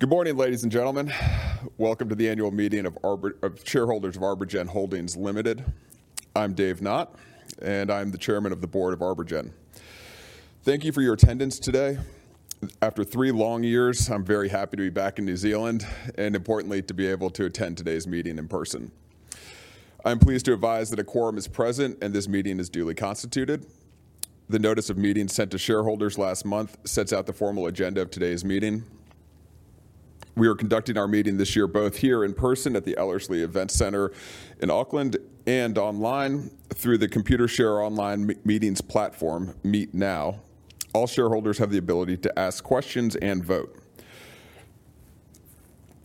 Good morning, ladies and gentlemen. Welcome to the annual meeting of shareholders of ArborGen Holdings Limited. I'm David Knott, and I'm the chairman of the board of ArborGen. Thank you for your attendance today. After three long years, I'm very happy to be back in New Zealand, and importantly, to be able to attend today's meeting in person. I'm pleased to advise that a quorum is present and this meeting is duly constituted. The notice of meeting sent to shareholders last month sets out the formal agenda of today's meeting. We are conducting our meeting this year, both here in person at the Ellerslie Event Centre in Auckland and online through the Computershare online meetings platform, Meet Now. All shareholders have the ability to ask questions and vote.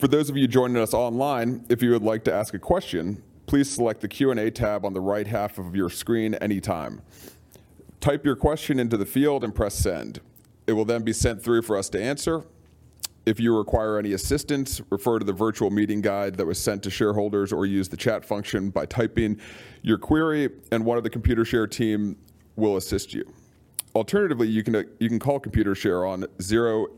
For those of you joining us online, if you would like to ask a question, please select the Q&A tab on the right half of your screen anytime. Type your question into the field and press Send. It will then be sent through for us to answer. If you require any assistance, refer to the virtual meeting guide that was sent to shareholders or use the chat function by typing your query, and one of the Computershare team will assist you. Alternatively, you can call Computershare on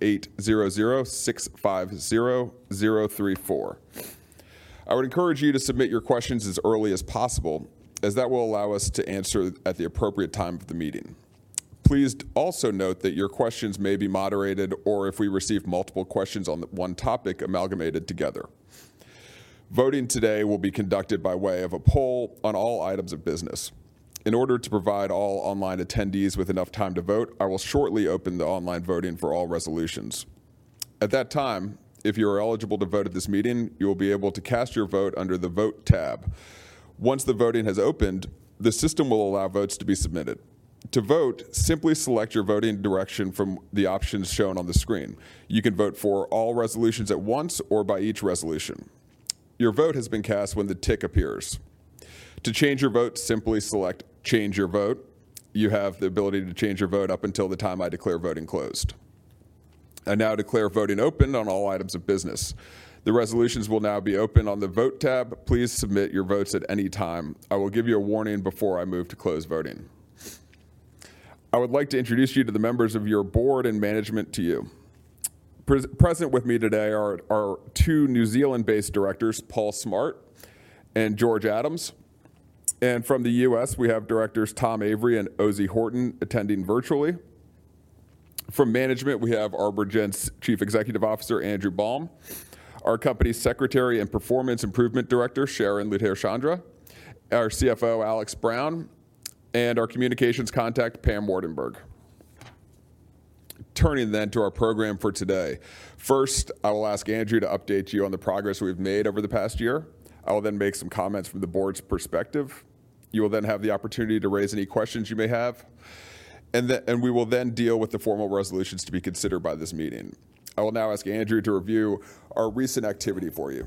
0800 650 034. I would encourage you to submit your questions as early as possible, as that will allow us to answer at the appropriate time for the meeting. Please also note that your questions may be moderated, or if we receive multiple questions on one topic, amalgamated together. Voting today will be conducted by way of a poll on all items of business. In order to provide all online attendees with enough time to vote, I will shortly open the online voting for all resolutions. At that time, if you are eligible to vote at this meeting, you will be able to cast your vote under the Vote tab. Once the voting has opened, the system will allow votes to be submitted. To vote, simply select your voting direction from the options shown on the screen. You can vote for all resolutions at once or by each resolution. Your vote has been cast when the tick appears. To change your vote, simply select Change Your Vote. You have the ability to change your vote up until the time I declare voting closed. I now declare voting open on all items of business. The resolutions will now be open on the Vote tab. Please submit your votes at any time. I will give you a warning before I move to close voting. I would like to introduce you to the members of your board and management to you. Present with me today are two New Zealand-based directors, Paul Smart and George Adams. From the US, we have directors Thomas Avery and Ozey Horton attending virtually. From management, we have ArborGen's Chief Executive Officer, Andrew Baum, our Company Secretary and Performance Improvement Director, Sharon Ludher-Chandra, our CFO, Alex Brown, and our communications contact, Pam Wardenburg. Turning to our program for today. First, I will ask Andrew to update you on the progress we've made over the past year. I will then make some comments from the board's perspective. You will then have the opportunity to raise any questions you may have. We will then deal with the formal resolutions to be considered by this meeting. I will now ask Andrew to review our recent activity for you.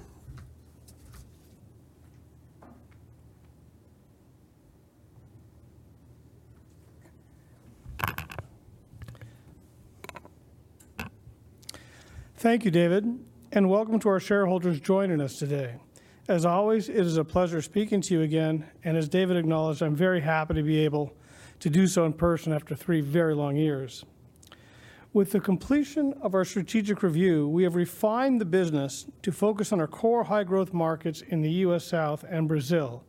Thank you, David, and welcome to our shareholders joining us today. As always, it is a pleasure speaking to you again, and as David acknowledged, I'm very happy to be able to do so in person after three very long years. With the completion of our strategic review, we have refined the business to focus on our core high-growth markets in the U.S. South and Brazil,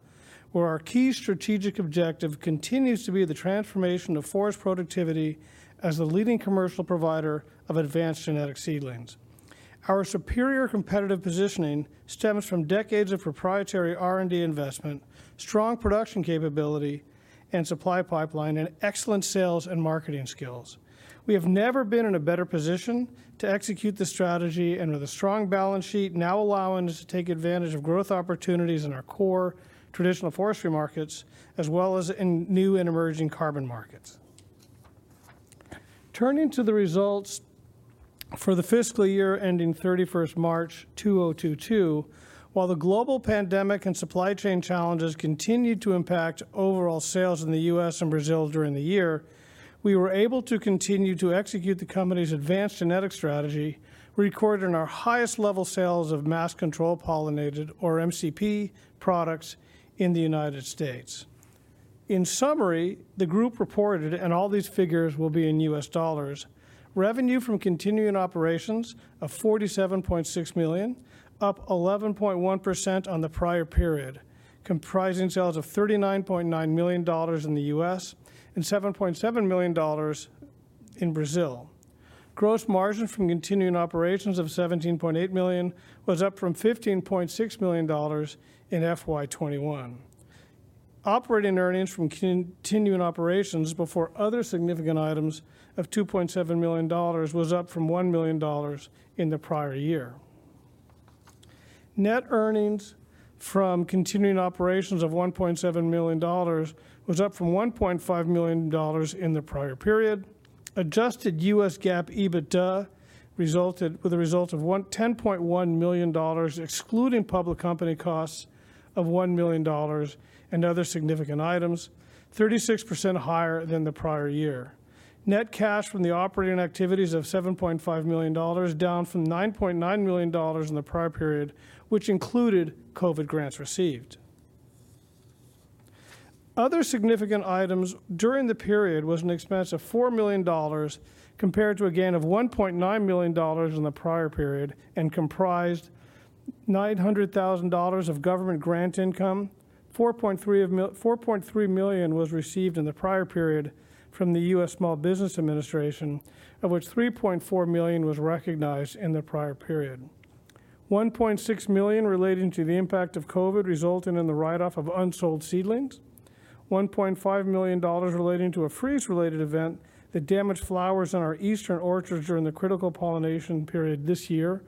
where our key strategic objective continues to be the transformation of forest productivity as the leading commercial provider of advanced genetic seedlings. Our superior competitive positioning stems from decades of proprietary R&D investment, strong production capability and supply pipeline, and excellent sales and marketing skills. We have never been in a better position to execute this strategy and with a strong balance sheet now allowing us to take advantage of growth opportunities in our core traditional forestry markets, as well as in new and emerging carbon markets. Turning to the results for the fiscal year ending March 31, 2022, while the global pandemic and supply chain challenges continued to impact overall sales in the U.S. and Brazil during the year, we were able to continue to execute the company's advanced genetics strategy, recording our highest level sales of Mass Control Pollinated, or MCP, products in the United States. In summary, the group reported, and all these figures will be in US dollars, revenue from continuing operations of $47.6 million, up 11.1% on the prior period, comprising sales of $39.9 million in the U.S. and $7.7 million in Brazil. Gross margin from continuing operations of $17.8 million was up from $15.6 million in FY 2021. Operating earnings from continuing operations before other significant items of $2.7 million was up from $1 million in the prior year. Net earnings from continuing operations of $1.7 million was up from $1.5 million in the prior period. Adjusted US GAAP EBITDA resulted with a result of $10.1 million, excluding public company costs of $1 million and other significant items, 36% higher than the prior year. Net cash from the operating activities of $7.5 million, down from $9.9 million in the prior period, which included COVID grants received. Other significant items during the period was an expense of $4 million compared to a gain of $1.9 million in the prior period, and comprised $900,000 of government grant income. $4.3 million was received in the prior period from the U.S. Small Business Administration, of which $3.4 million was recognized in the prior period. $1.6 million relating to the impact of COVID, resulting in the write-off of unsold seedlings. $1.5 million relating to a freeze-related event that damaged flowers on our eastern orchards during the critical pollination period this year,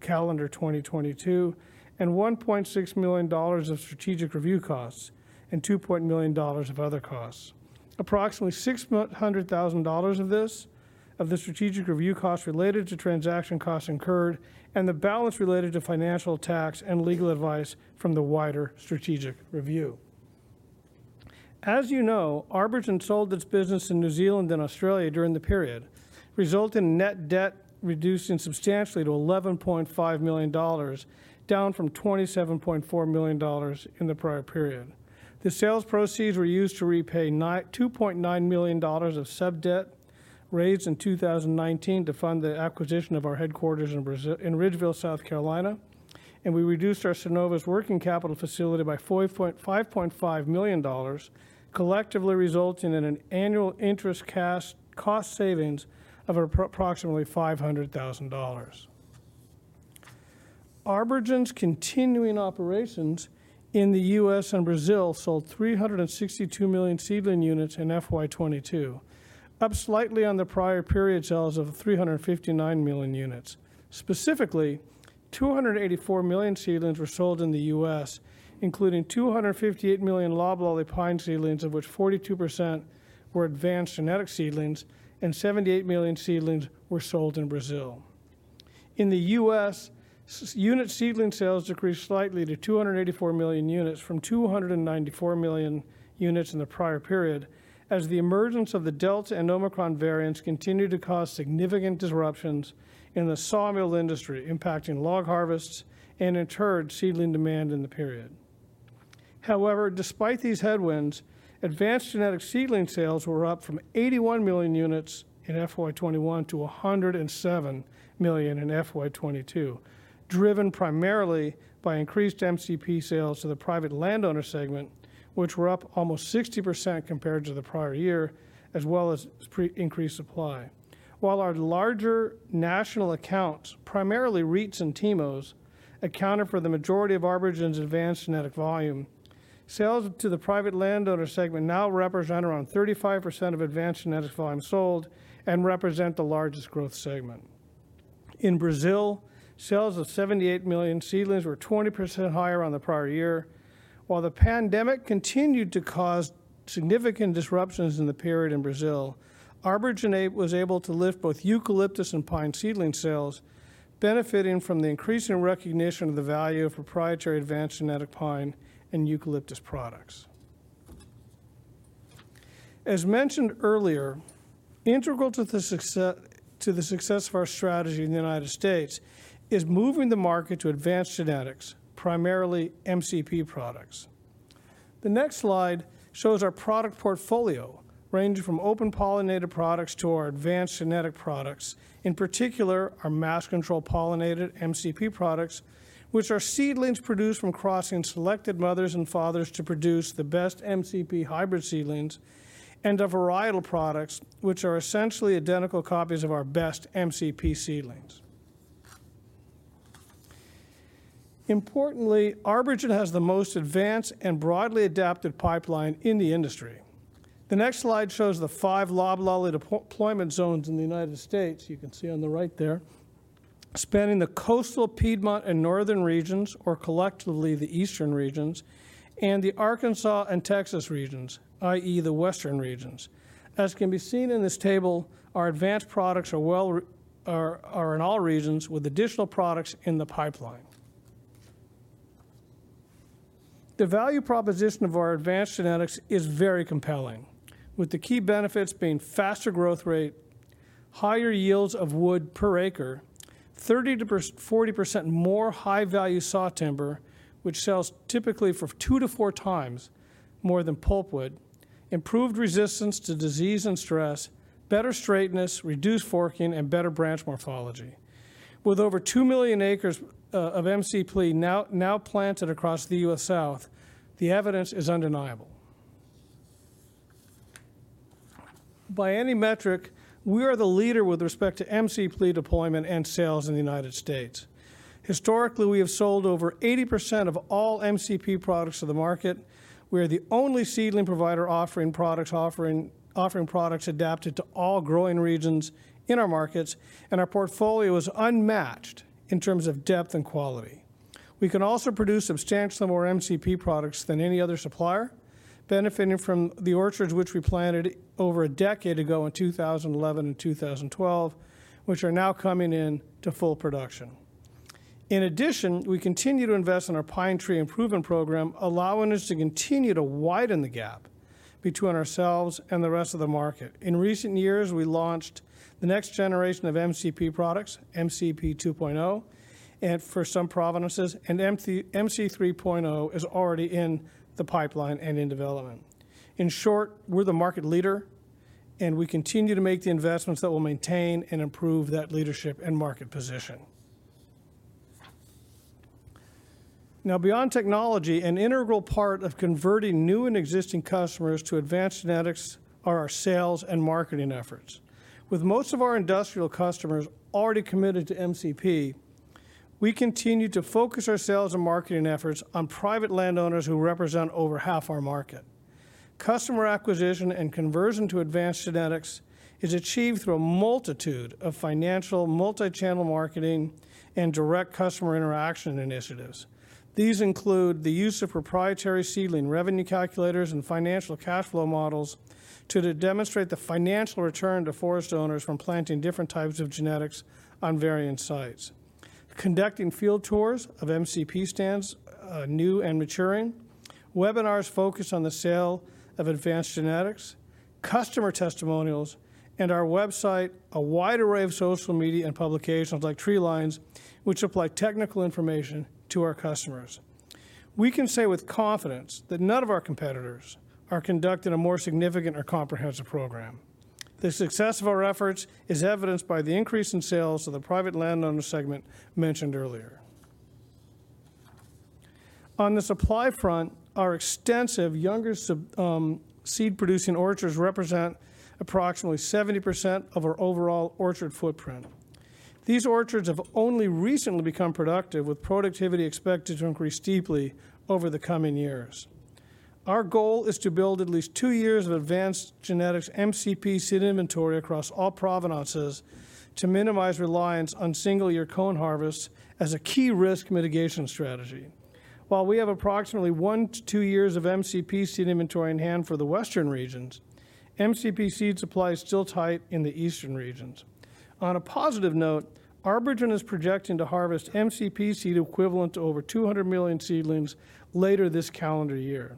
calendar 2022, and $1.6 million of strategic review costs and $2 million of other costs. Approximately $600 thousand of this, of the strategic review costs related to transaction costs incurred, and the balance related to financial, tax, and legal advice from the wider strategic review. As you know, ArborGen sold its business in New Zealand and Australia during the period, resulting in net debt reducing substantially to $11.5 million, down from $27.4 million in the prior period. The sales proceeds were used to repay $2.9 million of sub-debt raised in 2019 to fund the acquisition of our headquarters in Ridgeville, South Carolina, and we reduced our Synovus working capital facility by $5.5 million, collectively resulting in an annual interest cost savings of approximately $500,000. ArborGen's continuing operations in the U.S. and Brazil sold 362 million seedling units in FY 2022, up slightly on the prior period sales of 359 million units. Specifically, 284 million seedlings were sold in the U.S., including 258 million loblolly pine seedlings, of which 42% were advanced genetics seedlings, and 78 million seedlings were sold in Brazil. In the U.S., s-unit seedling sales decreased slightly to 284 million units from 294 million units in the prior period as the emergence of the Delta and Omicron variants continued to cause significant disruptions in the sawmill industry, impacting log harvests and in turn seedling demand in the period. However, despite these headwinds, advanced genetic seedling sales were up from 81 million units in FY 2021 to 107 million in FY 2022, driven primarily by increased MCP sales to the private landowner segment, which were up almost 60% compared to the prior year, as well as increased supply. While our larger national accounts, primarily REITs and TIMOs, accounted for the majority of ArborGen's advanced genetic volume, sales to the private landowner segment now represent around 35% of advanced genetic volume sold and represent the largest growth segment. In Brazil, sales of 78 million seedlings were 20% higher on the prior year. While the pandemic continued to cause significant disruptions in the period in Brazil, ArborGen was able to lift both eucalyptus and pine seedling sales, benefiting from the increasing recognition of the value of proprietary advanced genetics pine and eucalyptus products. As mentioned earlier, integral to the success of our strategy in the United States is moving the market to advanced genetics, primarily MCP products. The next slide shows our product portfolio, ranging from open-pollinated products to our advanced genetic products, in particular our mass control pollinated, MCP products, which are seedlings produced from crossing selected mothers and fathers to produce the best MCP hybrid seedlings and our varietal products, which are essentially identical copies of our best MCP seedlings. Importantly, ArborGen has the most advanced and broadly adapted pipeline in the industry. The next slide shows the 5 loblolly deployment zones in the United States, you can see on the right there, spanning the coastal Piedmont and northern regions, or collectively the eastern regions, and the Arkansas and Texas regions, i.e., the western regions. As can be seen in this table, our advanced products are well represented in all regions with additional products in the pipeline. The value proposition of our advanced genetics is very compelling, with the key benefits being faster growth rate, higher yields of wood per acre, 30%-40% more high-value sawtimber, which sells typically for 2-4 times more than pulpwood, improved resistance to disease and stress, better straightness, reduced forking, and better branch morphology. With over 2 million acres of MCP now planted across the U.S. South, the evidence is undeniable. By any metric, we are the leader with respect to MCP deployment and sales in the United States. Historically, we have sold over 80% of all MCP products to the market. We are the only seedling provider offering products adapted to all growing regions in our markets, and our portfolio is unmatched in terms of depth and quality. We can also produce substantially more MCP products than any other supplier, benefiting from the orchards which we planted over a decade ago in 2011 and 2012, which are now coming into full production. In addition, we continue to invest in our pine tree improvement program, allowing us to continue to widen the gap between ourselves and the rest of the market. In recent years, we launched the next generation of MCP products, MCP 2.0, and for some provenances, MCP 3.0 is already in the pipeline and in development. In short, we're the market leader, and we continue to make the investments that will maintain and improve that leadership and market position. Now, beyond technology, an integral part of converting new and existing customers to advanced genetics are our sales and marketing efforts. With most of our industrial customers already committed to MCP, we continue to focus our sales and marketing efforts on private landowners who represent over half our market. Customer acquisition and conversion to advanced genetics is achieved through a multitude of financial multi-channel marketing and direct customer interaction initiatives. These include the use of proprietary seedling revenue calculators and financial cash flow models to demonstrate the financial return to forest owners from planting different types of genetics on varying sites. Conducting field tours of MCP stands, new and maturing, webinars focused on the sale of advanced genetics, customer testimonials, and our website, a wide array of social media and publications like TreeLines, which supply technical information to our customers. We can say with confidence that none of our competitors are conducting a more significant or comprehensive program. The success of our efforts is evidenced by the increase in sales of the private landowner segment mentioned earlier. On the supply front, our extensive younger seed-producing orchards represent approximately 70% of our overall orchard footprint. These orchards have only recently become productive, with productivity expected to increase deeply over the coming years. Our goal is to build at least two years of advanced genetics MCP seed inventory across all provenances to minimize reliance on single-year cone harvests as a key risk mitigation strategy. While we have approximately one to two years of MCP seed inventory in hand for the western regions, MCP seed supply is still tight in the eastern regions. On a positive note, ArborGen is projecting to harvest MCP seed equivalent to over 200 million seedlings later this calendar year.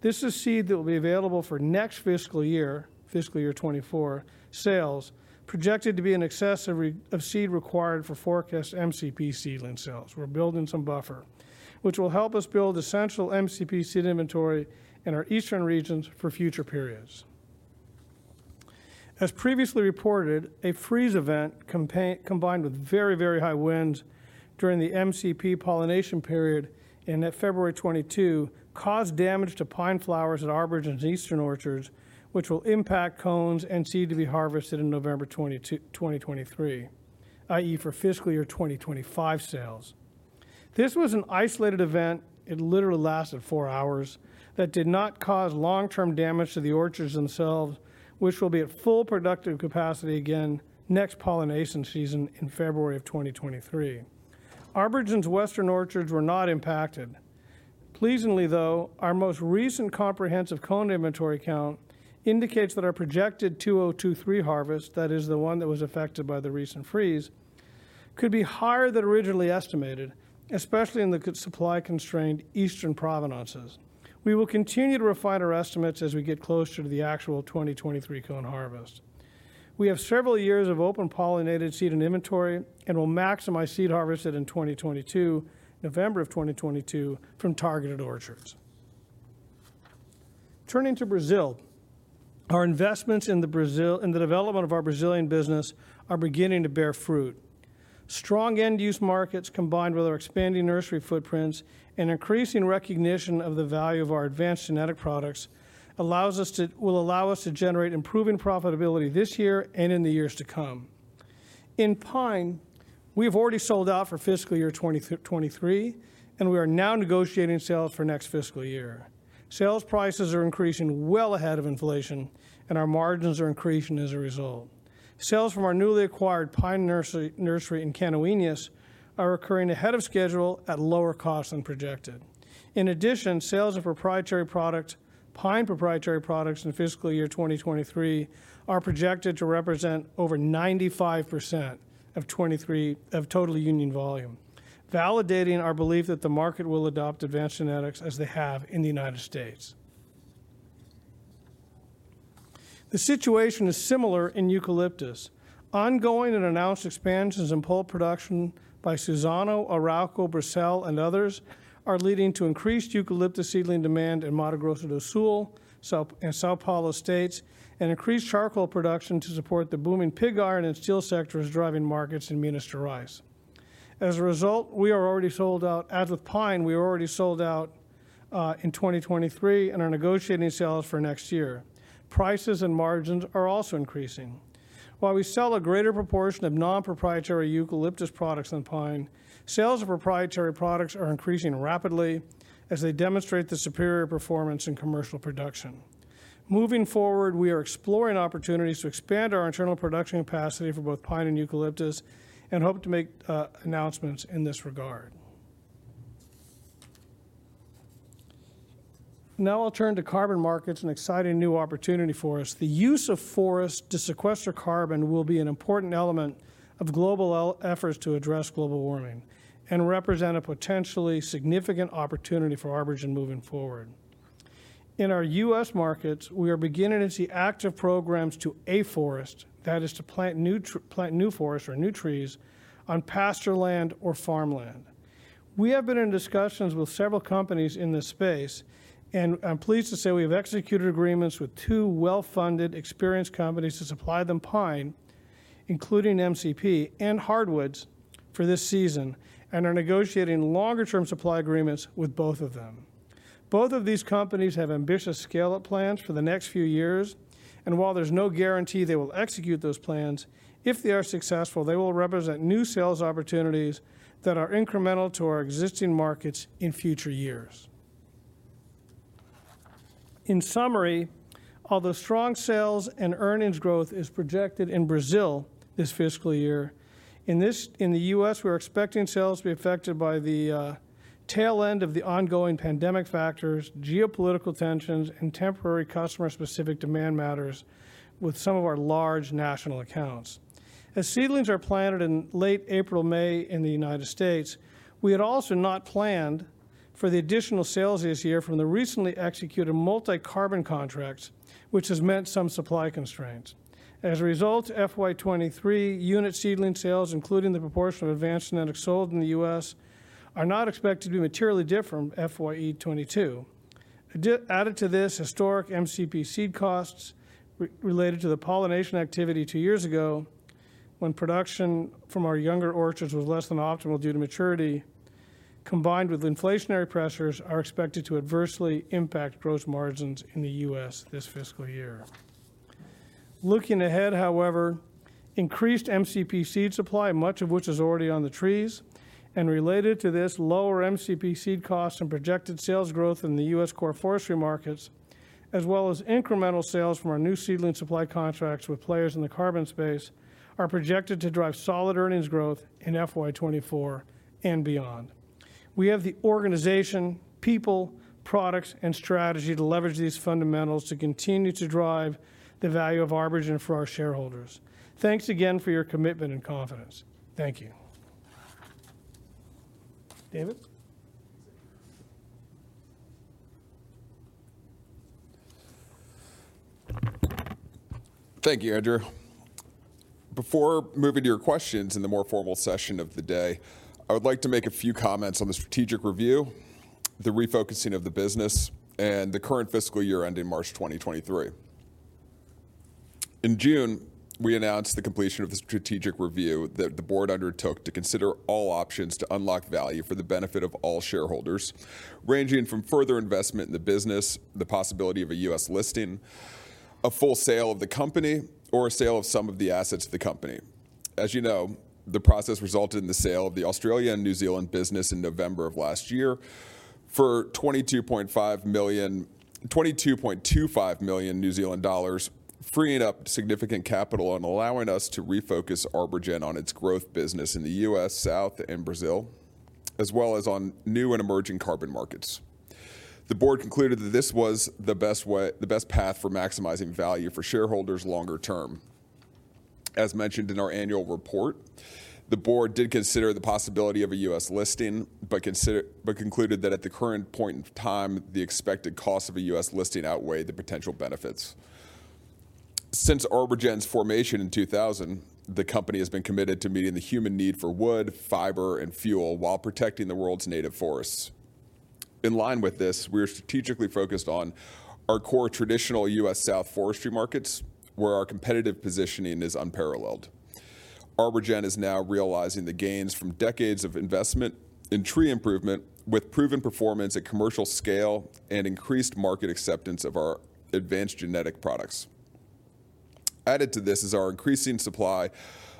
This is seed that will be available for next fiscal year, fiscal year 2024, sales, projected to be in excess of the seed required for forecast MCP seedling sales. We're building some buffer, which will help us build essential MCP seed inventory in our eastern regions for future periods. As previously reported, a freeze event combined with very, very high winds during the MCP pollination period in February 2022 caused damage to pine flowers at ArborGen's eastern orchards, which will impact cones and seed to be harvested in November 2023, i.e., for fiscal year 2025 sales. This was an isolated event, it literally lasted four hours, that did not cause long-term damage to the orchards themselves, which will be at full productive capacity again next pollination season in February 2023. ArborGen's western orchards were not impacted. Pleasingly, though, our most recent comprehensive cone inventory count indicates that our projected 2023 harvest, that is the one that was affected by the recent freeze, could be higher than originally estimated, especially in the supply-constrained eastern provenances. We will continue to refine our estimates as we get closer to the actual 2023 cone harvest. We have several years of open-pollinated seed in inventory and will maximize seed harvested in 2022, November of 2022, from targeted orchards. Turning to Brazil, our investments in the development of our Brazilian business are beginning to bear fruit. Strong end-use markets, combined with our expanding nursery footprints and increasing recognition of the value of our advanced genetic products, will allow us to generate improving profitability this year and in the years to come. In pine, we have already sold out for fiscal year 2023, and we are now negotiating sales for next fiscal year. Sales prices are increasing well ahead of inflation, and our margins are increasing as a result. Sales from our newly acquired pine nursery in Canoinhas are occurring ahead of schedule at lower cost than projected. In addition, sales of pine proprietary products in fiscal year 2023 are projected to represent over 95% of total unit volume, validating our belief that the market will adopt advanced genetics as they have in the United States. The situation is similar in eucalyptus. Ongoing and announced expansions in pulp production by Suzano, Arauco, Bracell, and others are leading to increased eucalyptus seedling demand in Mato Grosso do Sul, in São Paulo state, and increased charcoal production to support the booming pig iron and steel sectors driving markets in Minas Gerais to rise. As a result, we are already sold out. As with pine, we are already sold out in 2023 and are negotiating sales for next year. Prices and margins are also increasing. While we sell a greater proportion of non-proprietary eucalyptus products than pine, sales of proprietary products are increasing rapidly as they demonstrate the superior performance in commercial production. Moving forward, we are exploring opportunities to expand our internal production capacity for both pine and eucalyptus and hope to make announcements in this regard. Now I'll turn to carbon markets, an exciting new opportunity for us. The use of forests to sequester carbon will be an important element of global efforts to address global warming and represent a potentially significant opportunity for ArborGen moving forward. In our U.S. markets, we are beginning to see active programs to afforest, that is to plant new forests or new trees on pasture land or farmland. We have been in discussions with several companies in this space, and I'm pleased to say we have executed agreements with two well-funded, experienced companies to supply them pine, including MCP and hardwoods for this season, and are negotiating longer-term supply agreements with both of them. Both of these companies have ambitious scale-up plans for the next few years, and while there's no guarantee they will execute those plans, if they are successful, they will represent new sales opportunities that are incremental to our existing markets in future years. In summary, although strong sales and earnings growth is projected in Brazil this fiscal year, in the U.S., we're expecting sales to be affected by the tail end of the ongoing pandemic factors, geopolitical tensions, and temporary customer-specific demand matters with some of our large national accounts. As seedlings are planted in late April, May in the United States, we had also not planned for the additional sales this year from the recently executed multi-carbon contracts, which has meant some supply constraints. As a result, FY 2023 unit seedling sales, including the proportion of advanced genetics sold in the U.S., are not expected to be materially different from FY 2022. Added to this, historic MCP seed costs related to the pollination activity two years ago when production from our younger orchards was less than optimal due to maturity, combined with inflationary pressures, are expected to adversely impact gross margins in the U.S. this fiscal year. Looking ahead, however, increased MCP seed supply, much of which is already on the trees, and related to this, lower MCP seed costs and projected sales growth in the U.S. core forestry markets, as well as incremental sales from our new seedling supply contracts with players in the carbon space, are projected to drive solid earnings growth in FY 2024 and beyond. We have the organization, people, products, and strategy to leverage these fundamentals to continue to drive the value of ArborGen for our shareholders. Thanks again for your commitment and confidence. Thank you. David? Thank you, Andrew. Before moving to your questions in the more formal session of the day, I would like to make a few comments on the strategic review, the refocusing of the business, and the current fiscal year ending March 2023. In June, we announced the completion of the strategic review that the board undertook to consider all options to unlock value for the benefit of all shareholders, ranging from further investment in the business, the possibility of a U.S. listing, a full sale of the company, or a sale of some of the assets of the company. As you know, the process resulted in the sale of the Australia and New Zealand business in November of last year for 22.25 million New Zealand dollars, freeing up significant capital and allowing us to refocus ArborGen on its growth business in the U.S. South and Brazil, as well as on new and emerging carbon markets. The board concluded that this was the best path for maximizing value for shareholders longer term. As mentioned in our annual report, the board did consider the possibility of a U.S. listing, but concluded that at the current point in time, the expected cost of a U.S. listing outweighed the potential benefits. Since ArborGen's formation in 2000, the company has been committed to meeting the human need for wood, fiber, and fuel while protecting the world's native forests. In line with this, we are strategically focused on our core traditional U.S. South forestry markets, where our competitive positioning is unparalleled. ArborGen is now realizing the gains from decades of investment in tree improvement with proven performance at commercial scale and increased market acceptance of our advanced genetic products. Added to this is our increasing supply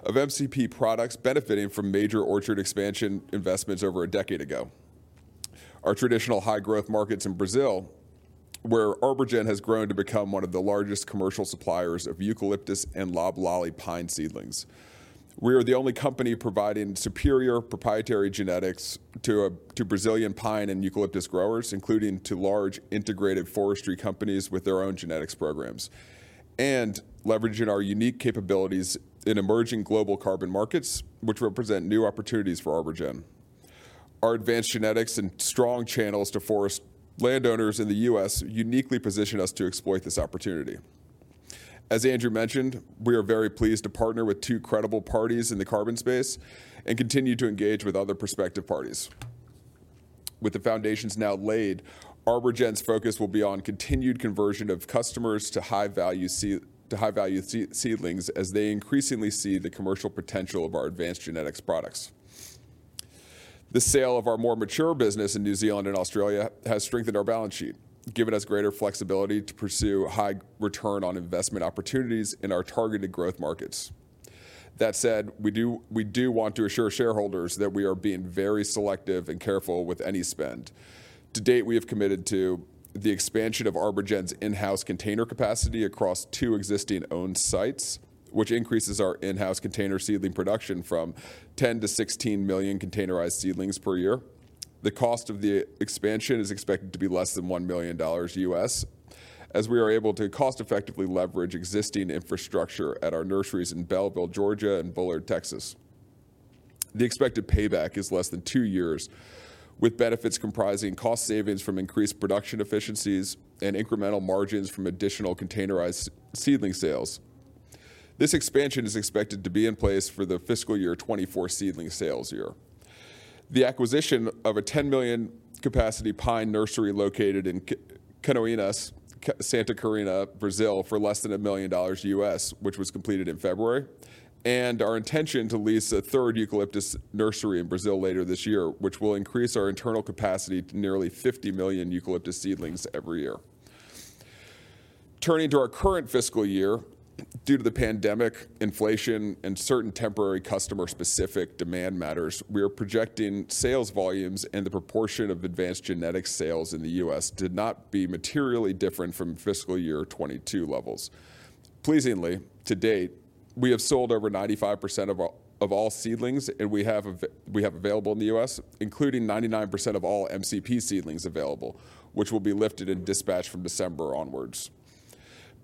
of MCP products benefiting from major orchard expansion investments over a decade ago. Our traditional high-growth markets in Brazil, where ArborGen has grown to become one of the largest commercial suppliers of eucalyptus and loblolly pine seedlings. We are the only company providing superior proprietary genetics to Brazilian pine and eucalyptus growers, including to large integrated forestry companies with their own genetics programs, and leveraging our unique capabilities in emerging global carbon markets, which represent new opportunities for ArborGen. Our advanced genetics and strong channels to forest landowners in the U.S. uniquely position us to exploit this opportunity. As Andrew mentioned, we are very pleased to partner with two credible parties in the carbon space and continue to engage with other prospective parties. With the foundations now laid, ArborGen's focus will be on continued conversion of customers to high-value seed, to high-value seedlings as they increasingly see the commercial potential of our advanced genetics products. The sale of our more mature business in New Zealand and Australia has strengthened our balance sheet, given us greater flexibility to pursue high return on investment opportunities in our targeted growth markets. That said, we do want to assure shareholders that we are being very selective and careful with any spend. To date, we have committed to the expansion of ArborGen's in-house container capacity across two existing owned sites, which increases our in-house container seedling production from 10 to 16 million containerized seedlings per year. The cost of the expansion is expected to be less than $1 million as we are able to cost-effectively leverage existing infrastructure at our nurseries in Bellville, Georgia, and Bullard, Texas. The expected payback is less than 2 years, with benefits comprising cost savings from increased production efficiencies and incremental margins from additional containerized seedlings sales. This expansion is expected to be in place for the fiscal year 2024 seedling sales year. The acquisition of a 10 million capacity pine nursery located in Canoinhas, Santa Catarina, Brazil, for less than $1 million, which was completed in February, and our intention to lease a third eucalyptus nursery in Brazil later this year, which will increase our internal capacity to nearly 50 million eucalyptus seedlings every year. Turning to our current fiscal year, due to the pandemic, inflation, and certain temporary customer-specific demand matters, we are projecting sales volumes and the proportion of advanced genetics sales in the U.S. to not be materially different from fiscal year 2022 levels. Pleasingly, to date, we have sold over 95% of all seedlings, and we have available in the U.S., including 99% of all MCP seedlings available, which will be lifted and dispatched from December onwards.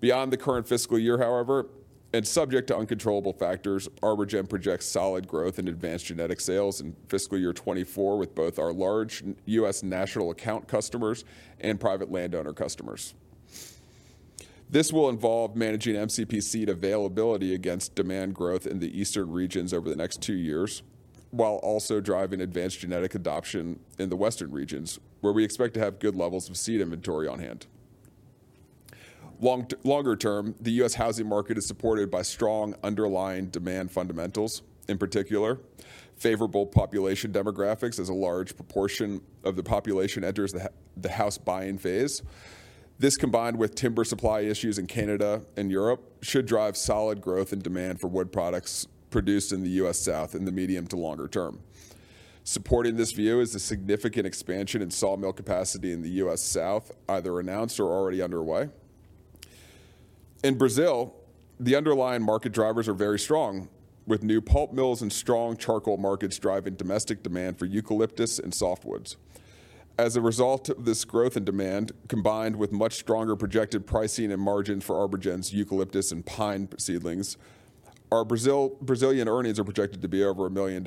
Beyond the current fiscal year, however, and subject to uncontrollable factors, ArborGen projects solid growth in advanced genetic sales in fiscal year 2024 with both our large U.S. national account customers and private landowner customers. This will involve managing MCP seed availability against demand growth in the eastern regions over the next two years, while also driving advanced genetic adoption in the western regions, where we expect to have good levels of seed inventory on hand. Longer term, the U.S. housing market is supported by strong underlying demand fundamentals, in particular favorable population demographics as a large proportion of the population enters the house buying phase. This, combined with timber supply issues in Canada and Europe, should drive solid growth and demand for wood products produced in the U.S. South in the medium to longer term. Supporting this view is the significant expansion in sawmill capacity in the U.S. South, either announced or already underway. In Brazil, the underlying market drivers are very strong, with new pulp mills and strong charcoal markets driving domestic demand for eucalyptus and softwoods. As a result of this growth in demand, combined with much stronger projected pricing and margin for ArborGen's eucalyptus and pine seedlings, our Brazilian earnings are projected to be over $1 million,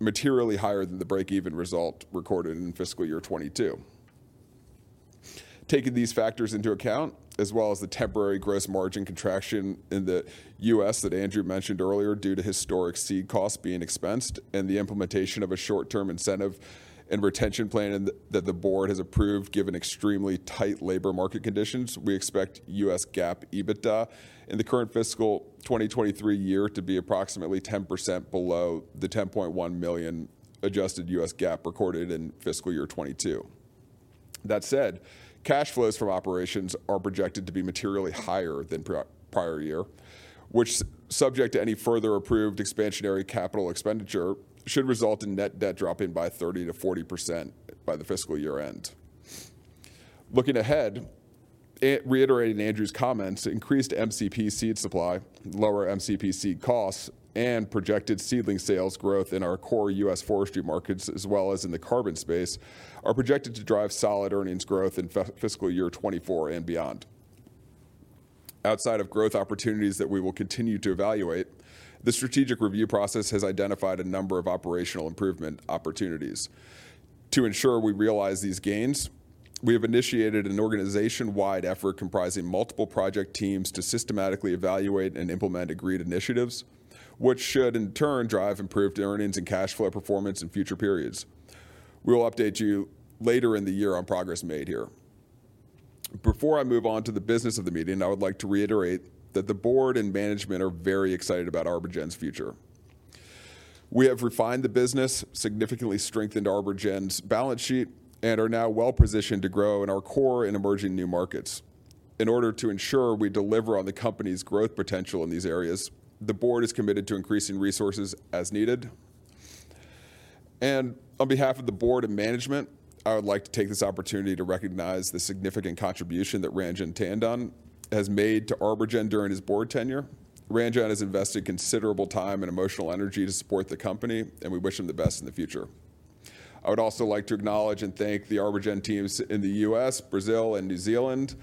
materially higher than the break-even result recorded in fiscal year 2022. Taking these factors into account, as well as the temporary gross margin contraction in the U.S. that Andrew mentioned earlier due to historic seed costs being expensed and the implementation of a short-term incentive and retention plan that the board has approved given extremely tight labor market conditions, we expect U.S. GAAP EBITDA in the current fiscal 2023 year to be approximately 10% below the $10.1 million adjusted U.S. GAAP recorded in fiscal year 2022. That said, cash flows from operations are projected to be materially higher than prior year, which subject to any further approved expansionary capital expenditure, should result in net debt dropping by 30%-40% by the fiscal year-end. Looking ahead, reiterating Andrew's comments, increased MCP seed supply, lower MCP seed costs, and projected seedling sales growth in our core U.S. forestry markets as well as in the carbon space are projected to drive solid earnings growth in fiscal year 2024 and beyond. Outside of growth opportunities that we will continue to evaluate, the strategic review process has identified a number of operational improvement opportunities. To ensure we realize these gains, we have initiated an organization-wide effort comprising multiple project teams to systematically evaluate and implement agreed initiatives, which should in turn drive improved earnings and cash flow performance in future periods. We will update you later in the year on progress made here. Before I move on to the business of the meeting, I would like to reiterate that the board and management are very excited about ArborGen's future. We have refined the business, significantly strengthened ArborGen's balance sheet, and are now well-positioned to grow in our core and emerging new markets. In order to ensure we deliver on the company's growth potential in these areas, the board is committed to increasing resources as needed. On behalf of the board and management, I would like to take this opportunity to recognize the significant contribution that Ranjan Tandon has made to ArborGen during his board tenure. Ranjan has invested considerable time and emotional energy to support the company, and we wish him the best in the future. I would also like to acknowledge and thank the ArborGen teams in the U.S., Brazil, and New Zealand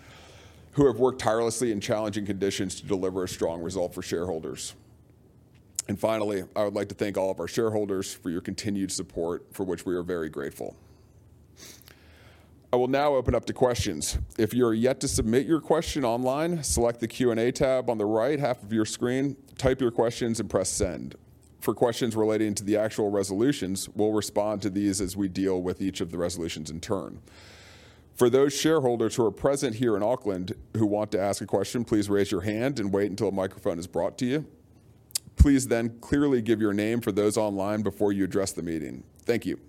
who have worked tirelessly in challenging conditions to deliver a strong result for shareholders. Finally, I would like to thank all of our shareholders for your continued support, for which we are very grateful. I will now open up to questions. If you are yet to submit your question online, select the Q&A tab on the right half of your screen, type your questions, and press Send. For questions relating to the actual resolutions, we'll respond to these as we deal with each of the resolutions in turn. For those shareholders who are present here in Auckland who want to ask a question, please raise your hand and wait until a microphone is brought to you. Please then clearly give your name for those online before you address the meeting. Thank you.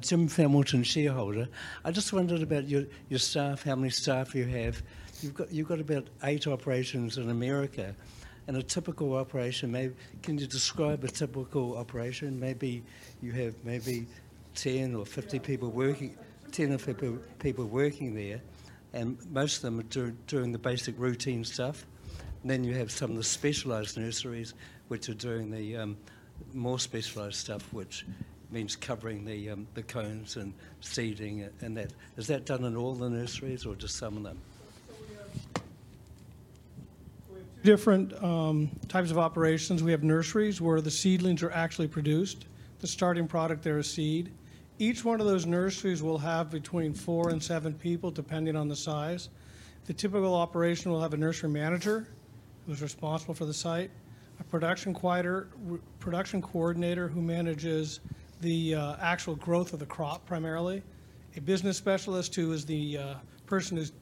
Jim Hamilton, Shareholder. I just wondered about your staff, how many staff you have. You've got about 8 operations in America. In a typical operation, can you describe a typical operation? Maybe you have 10 or 50 people working- Yeah. 10 or 15 people working there, and most of them are doing the basic routine stuff. Then you have some of the specialized nurseries which are doing the more specialized stuff, which means covering the cones and seeding and that. Is that done in all the nurseries or just some of them? We have two different types of operations. We have nurseries where the seedlings are actually produced. The starting product there is seed. Each one of those nurseries will have between 4 and 7 people, depending on the size. The typical operation will have a nursery manager who's responsible for the site, a production coordinator who manages the actual growth of the crop, primarily. A business specialist who is the person who's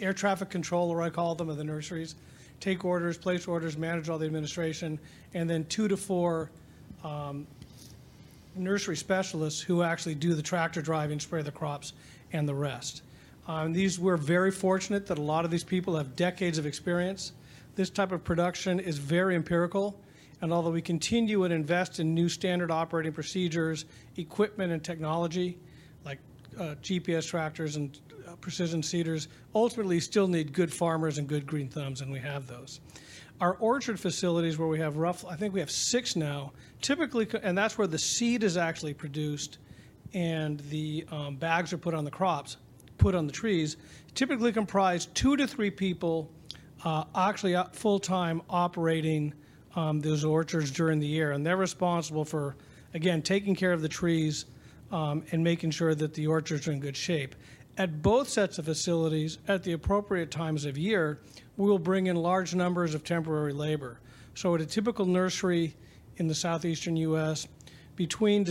air traffic controller I call them of the nurseries, take orders, place orders, manage all the administration. Then 2 to 4 nursery specialists who actually do the tractor driving, spray the crops, and the rest. We're very fortunate that a lot of these people have decades of experience. This type of production is very empirical, and although we continue and invest in new standard operating procedures, equipment, and technology like GPS tractors and precision seeders, ultimately you still need good farmers and good green thumbs, and we have those. Our orchard facilities, where I think we have six now, typically, and that's where the seed is actually produced and the bags are put on the crops, put on the trees, typically comprise two to three people actually out full-time operating those orchards during the year. They're responsible for, again, taking care of the trees and making sure that the orchards are in good shape. At both sets of facilities, at the appropriate times of year, we will bring in large numbers of temporary labor. At a typical nursery in the southeastern U.S., between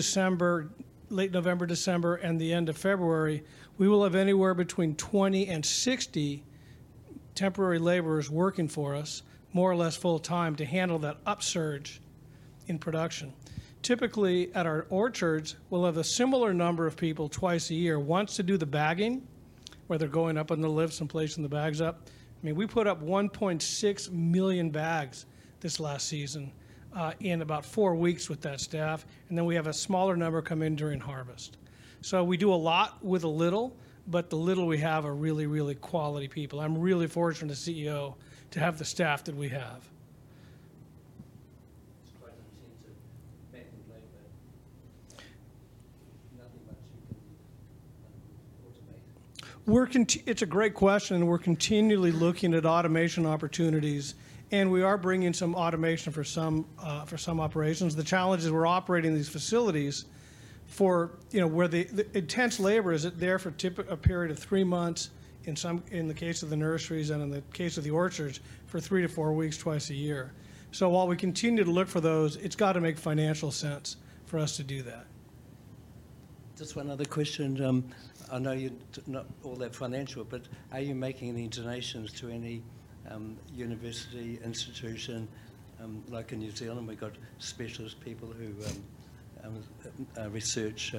late November, December, and the end of February, we will have anywhere between 20 and 60 temporary laborers working for us more or less full-time to handle that upsurge in production. Typically, at our orchards, we'll have a similar number of people twice a year. Once to do the bagging, where they're going up on the lifts and placing the bags up. I mean, we put up 1.6 million bags this last season in about 4 weeks with that staff. Then we have a smaller number come in during harvest. We do a lot with a little, but the little we have are really, really quality people. I'm really fortunate as CEO to have the staff that we have. It's quite easy to make them like that. Nothing much you can automate. It's a great question, and we're continually looking at automation opportunities, and we are bringing some automation for some operations. The challenge is we're operating these facilities for, you know, where the intense labor is there for a period of three months in some, in the case of the nurseries, and in the case of the orchards for three to four weeks twice a year. While we continue to look for those, it's got to make financial sense for us to do that. Just one other question. I know you're not all that financial, but are you making any donations to any university, institution? Like in New Zealand, we've got specialist people who research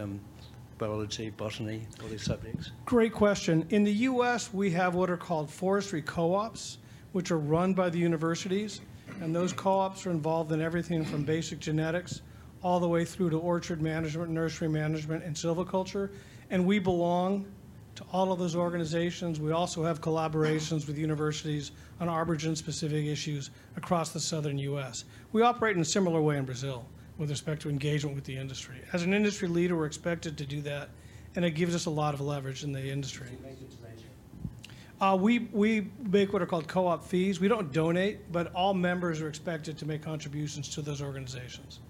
biology, botany, all these subjects. Great question. In the U.S., we have what are called forestry co-ops, which are run by the universities. Those co-ops are involved in everything from basic genetics all the way through to orchard management, nursery management, and silviculture, and we belong to all of those organizations. We also have collaborations with universities on ArborGen-specific issues across the Southern U.S. We operate in a similar way in Brazil with respect to engagement with the industry. As an industry leader, we're expected to do that, and it gives us a lot of leverage in the industry. Do you make a donation? We make what are called co-op fees. We don't donate, but all members are expected to make contributions to those organizations.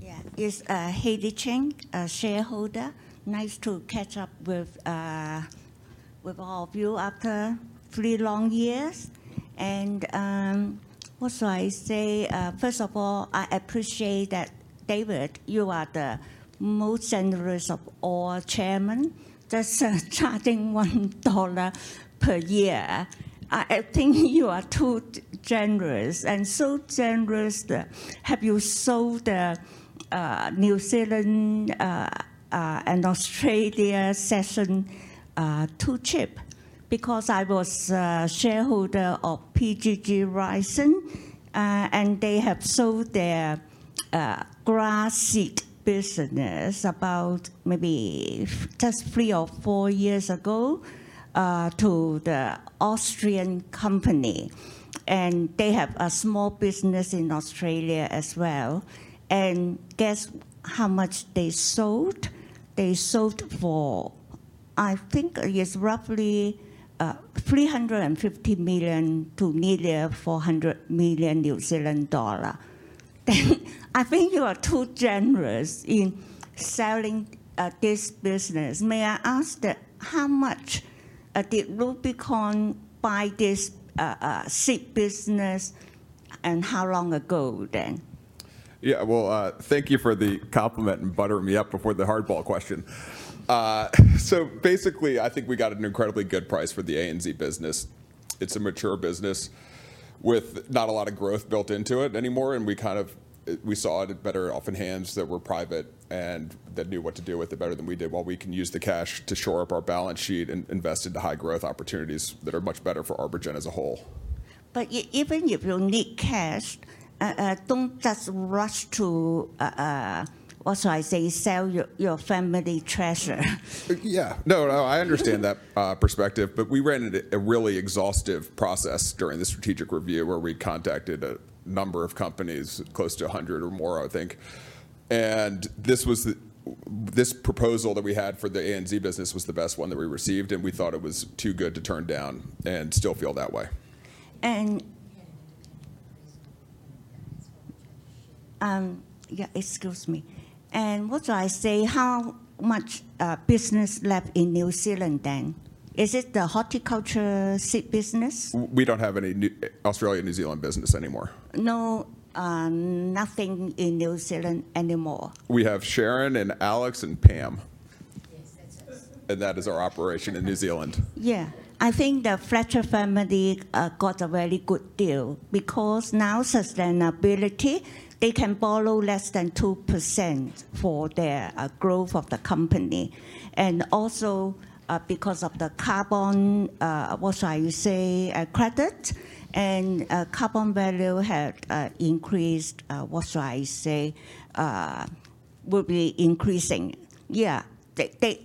Yeah. It's Hailey Ching, a shareholder. Nice to catch up with all of you after three long years. What should I say? First of all, I appreciate that, David, you are the most generous of all chairman. Just charging 1 dollar per year. I think you are too generous, and so generous that have you sold the New Zealand and Australia section too cheap? Because I was a shareholder of PGG Wrightson, and they have sold their grass seed business about maybe just three or four years ago to the Austrian company. They have a small business in Australia as well. Guess how much they sold? They sold for, I think it's roughly 350 million to nearly 400 million New Zealand dollar. I think you are too generous in selling this business. May I ask then, how much did Rubicon buy this seed business, and how long ago then? Yeah, well, thank you for the compliment and buttering me up before the hardball question. So basically, I think we got an incredibly good price for the ANZ business. It's a mature business with not a lot of growth built into it anymore, and we kind of saw it better off in hands that were private and that knew what to do with it better than we did, while we can use the cash to shore up our balance sheet and invest into high growth opportunities that are much better for ArborGen as a whole. Even if you need cash, don't just rush to, what should I say? Sell your family treasure. No, I understand that perspective, but we ran it through a really exhaustive process during the strategic review where we contacted a number of companies, close to 100 or more, I think. This proposal that we had for the ANZ business was the best one that we received, and we thought it was too good to turn down, and still feel that way. Yeah, excuse me. What do I say? How much business left in New Zealand then? Is it the horticulture seed business? We don't have any Australia, New Zealand business anymore. No, nothing in New Zealand anymore? We have Sharon and Alex and Pam. Yes, yes. That is our operation in New Zealand. Yeah. I think the Fletcher family got a very good deal because now sustainability, they can borrow less than 2% for their growth of the company. Because of the carbon credit, and carbon value had increased, will be increasing. Yeah.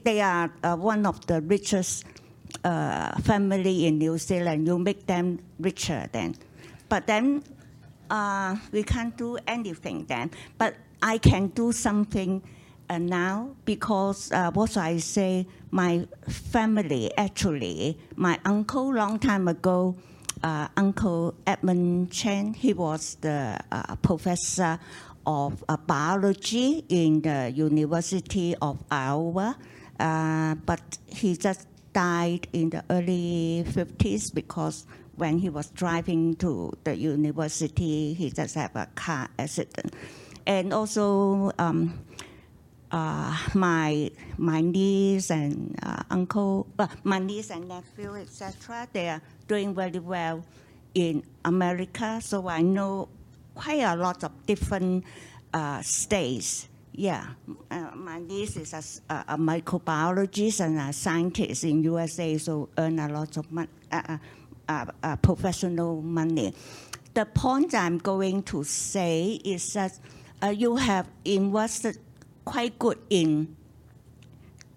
They are one of the richest family in New Zealand. You make them richer then. We can't do anything then. I can do something now because my family, actually, my uncle, long time ago, Uncle Edmund Cheng, he was the professor of biology in the University of Iowa, but he just died in the early fifties because when he was driving to the university, he just have a car accident. Also, my niece and nephew, et cetera, they are doing very well in America, so I know quite a lot of different states. Yeah. My niece is a microbiologist and a scientist in USA, so earn a lot of professional money. The point I'm going to say is that you have invested quite good in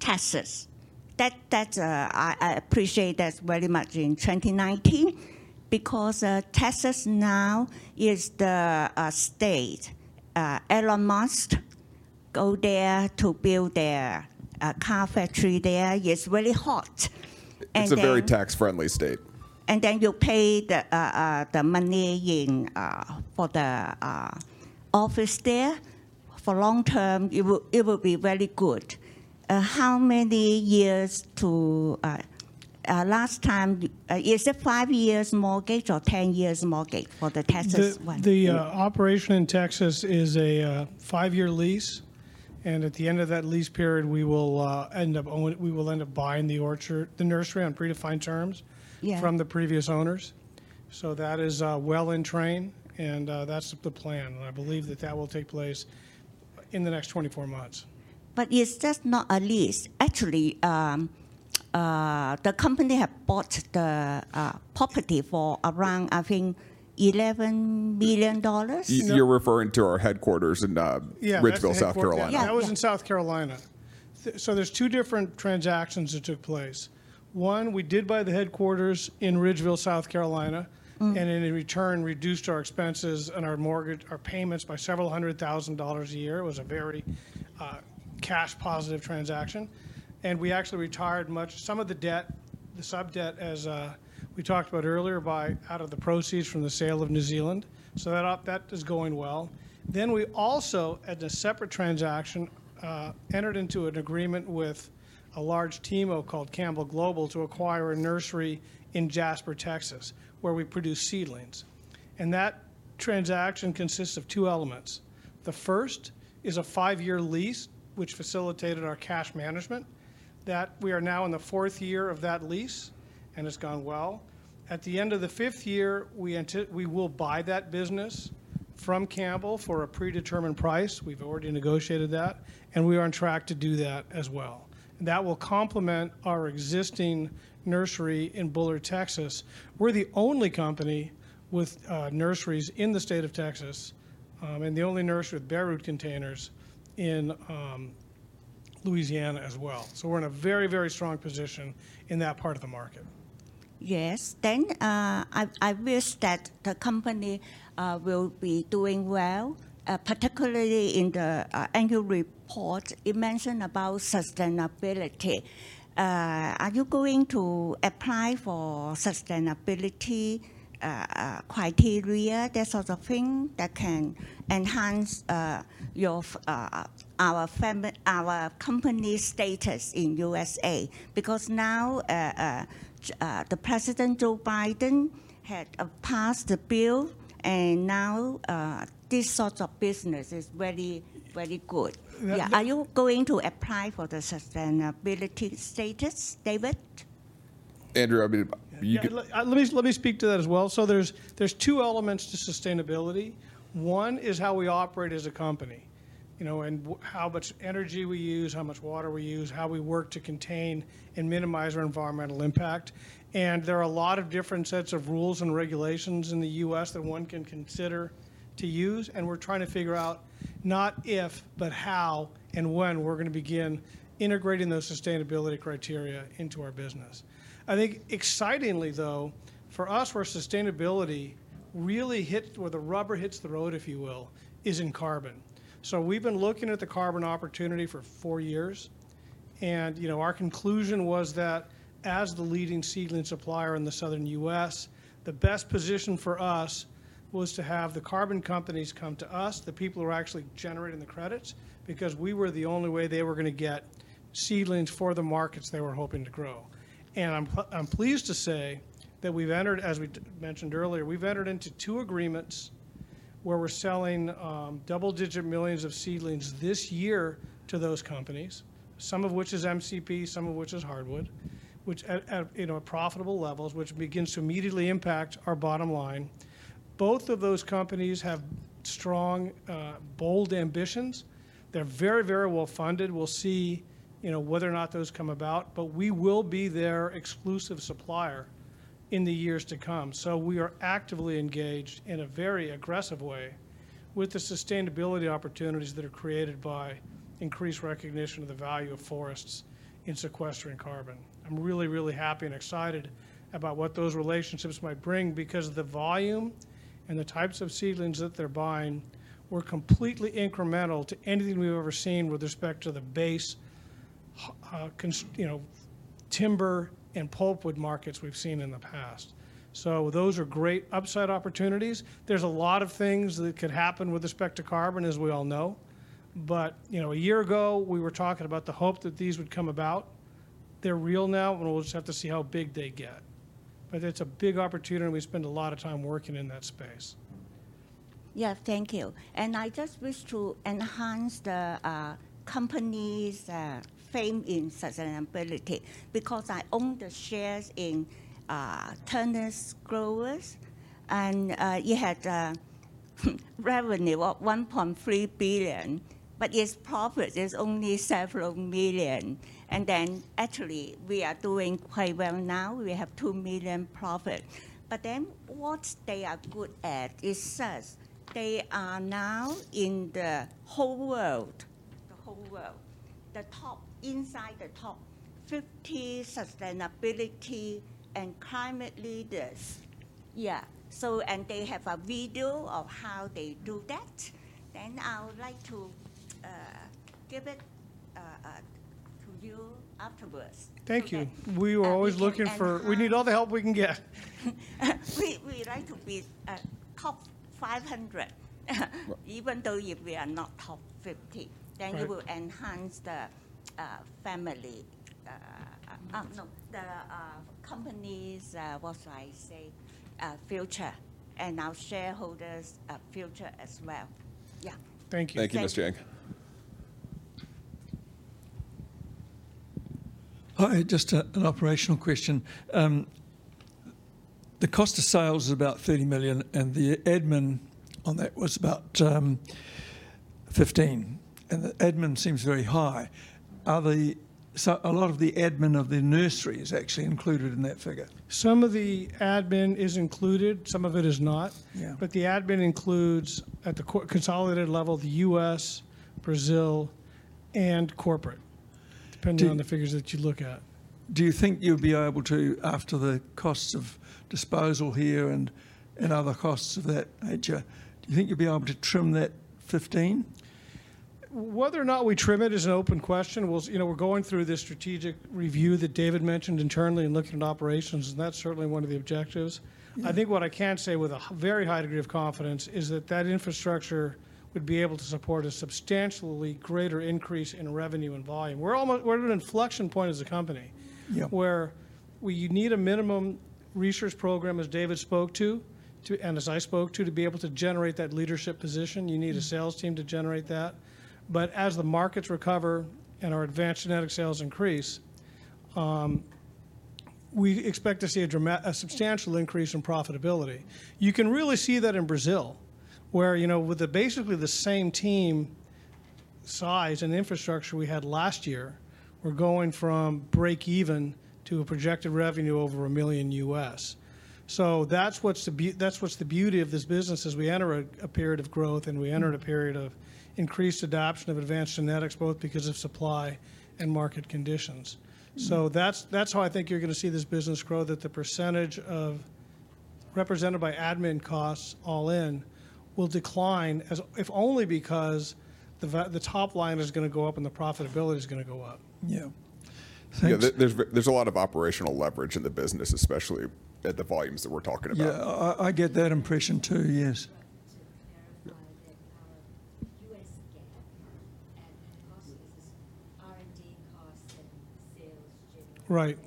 Texas. I appreciate that very much in 2019, because Texas now is the state. Elon Musk go there to build their car factory there. It's really hot. It's a very tax-friendly state. You pay the money in for the office there. For long term, it will be very good. How many years to last time is it five years mortgage or 10 years mortgage for the Texas one? Yeah. The operation in Texas is a five-year lease, and at the end of that lease period, we will end up buying the orchard, the nursery on predefined terms. Yeah from the previous owners. That is well in train, and that's the plan. I believe that will take place in the next 24 months. It's just not a lease. Actually, the company have bought the property for around, I think, 11 million dollars or You, you're referring to our headquarters in, Yeah, that's the headquarters. Ridgeville, South Carolina. Yeah, yeah. That was in South Carolina. There's two different transactions that took place. One, we did buy the headquarters in Ridgeville, South Carolina. Mm-hmm in return, reduced our expenses and our payments by $several hundred thousand a year. It was a very cash positive transaction. We actually retired some of the debt, the sub-debt, as we talked about earlier, by out of the proceeds from the sale of New Zealand. That is going well. We also, at a separate transaction, entered into an agreement with a large TIMO called Campbell Global to acquire a nursery in Jasper, Texas, where we produce seedlings. That transaction consists of two elements. The first is a five-year lease, which facilitated our cash management, that we are now in the fourth year of that lease and it's gone well. At the end of the fifth year, we will buy that business from Campbell for a predetermined price. We've already negotiated that, and we are on track to do that as well. That will complement our existing nursery in Bullard, Texas. We're the only company with nurseries in the state of Texas, and the only nursery with bare root containers in Louisiana as well. We're in a very, very strong position in that part of the market. Yes. I wish that the company will be doing well, particularly in the annual report, it mentioned about sustainability. Are you going to apply for sustainability criteria, that sort of thing, that can enhance our company's status in USA? Because now President Joe Biden had passed the bill, and now this sort of business is very, very good. Re- Yeah. Are you going to apply for the sustainability status, David? Andrew, I mean, you can. Look, let me speak to that as well. There's two elements to sustainability. One is how we operate as a company, you know, and how much energy we use, how much water we use, how we work to contain and minimize our environmental impact. There are a lot of different sets of rules and regulations in the US that one can consider to use, and we're trying to figure out not if, but how and when we're gonna begin integrating those sustainability criteria into our business. I think excitingly, though, for us, where the rubber hits the road, if you will, is in carbon. We've been looking at the carbon opportunity for four years and, you know, our conclusion was that as the leading seedling supplier in the Southern U.S., the best position for us was to have the carbon companies come to us, the people who are actually generating the credits, because we were the only way they were gonna get seedlings for the markets they were hoping to grow. I'm pleased to say that we've entered, as we mentioned earlier, into two agreements where we're selling double-digit millions of seedlings this year to those companies, some of which is MCP, some of which is hardwood, which at, you know, are profitable levels, which begins to immediately impact our bottom line. Both of those companies have strong bold ambitions. They're very, very well-funded. We'll see, you know, whether or not those come about, but we will be their exclusive supplier in the years to come. We are actively engaged in a very aggressive way with the sustainability opportunities that are created by increased recognition of the value of forests in sequestering carbon. I'm really, really happy and excited about what those relationships might bring because the volume and the types of seedlings that they're buying were completely incremental to anything we've ever seen with respect to the base you know, timber and pulpwood markets we've seen in the past. Those are great upside opportunities. There's a lot of things that could happen with respect to carbon, as we all know. You know, a year ago, we were talking about the hope that these would come about. They're real now, and we'll just have to see how big they get. It's a big opportunity, and we spend a lot of time working in that space. Yeah. Thank you. I just wish to enhance the company's fame in sustainability because I own the shares in T&G Global, and it had revenue of 1.3 billion, but its profit is only NZD several million. Actually we are doing quite well now. We have 2 million profit. What they are good at is. They are now in the whole world, the top inside the top fifty sustainability and climate leaders. Yeah. They have a video of how they do that. I would like to give it to you afterwards. Thank you. We are always looking for We can. We need all the help we can get. We like to be top 500 even though if we are not top 50. Right. It will enhance the company's future and our shareholders' future as well. Yeah. Thank you. Thank you, Ms. Ching. Thank you. Hi. Just an operational question. The cost of sales is about 30 million, and the admin on that was about 15 million. The admin seems very high. A lot of the admin of the nursery is actually included in that figure. Some of the admin is included, some of it is not. Yeah. The admin includes, at the consolidated level, the U.S., Brazil, and corporate- Do- depending on the figures that you look at. Do you think you'll be able to, after the costs of disposal here and other costs of that nature, do you think you'll be able to trim that 15? Whether or not we trim it is an open question. You know, we're going through this strategic review that David mentioned internally and looking at operations, and that's certainly one of the objectives. Mm-hmm. I think what I can say with very high degree of confidence is that that infrastructure would be able to support a substantially greater increase in revenue and volume. We're at an inflection point as a company- Yeah where we need a minimum research program, as David spoke to, and as I spoke to be able to generate that leadership position. You need a- Mm-hmm sales team to generate that. As the markets recover and our advanced genetics sales increase, we expect to see a substantial increase in profitability. You can really see that in Brazil, where, you know, with the basically the same team size and infrastructure we had last year, we're going from break even to a projected revenue over $1 million. That's what's the beauty of this business, is we enter a period of growth, and we entered a period of increased adoption of advanced genetics, both because of supply and market conditions. Mm-hmm. That's how I think you're gonna see this business grow, that the percentage represented by admin costs all in will decline as if only because the top line is going to go up and the profitability is going to go up. Yeah. Thanks. Yeah. There's a lot of operational leverage in the business, especially at the volumes that we're talking about. Yeah. I get that impression too. Yes. To clarify that our US GAAP admin costs is R&D costs and sales, general. Right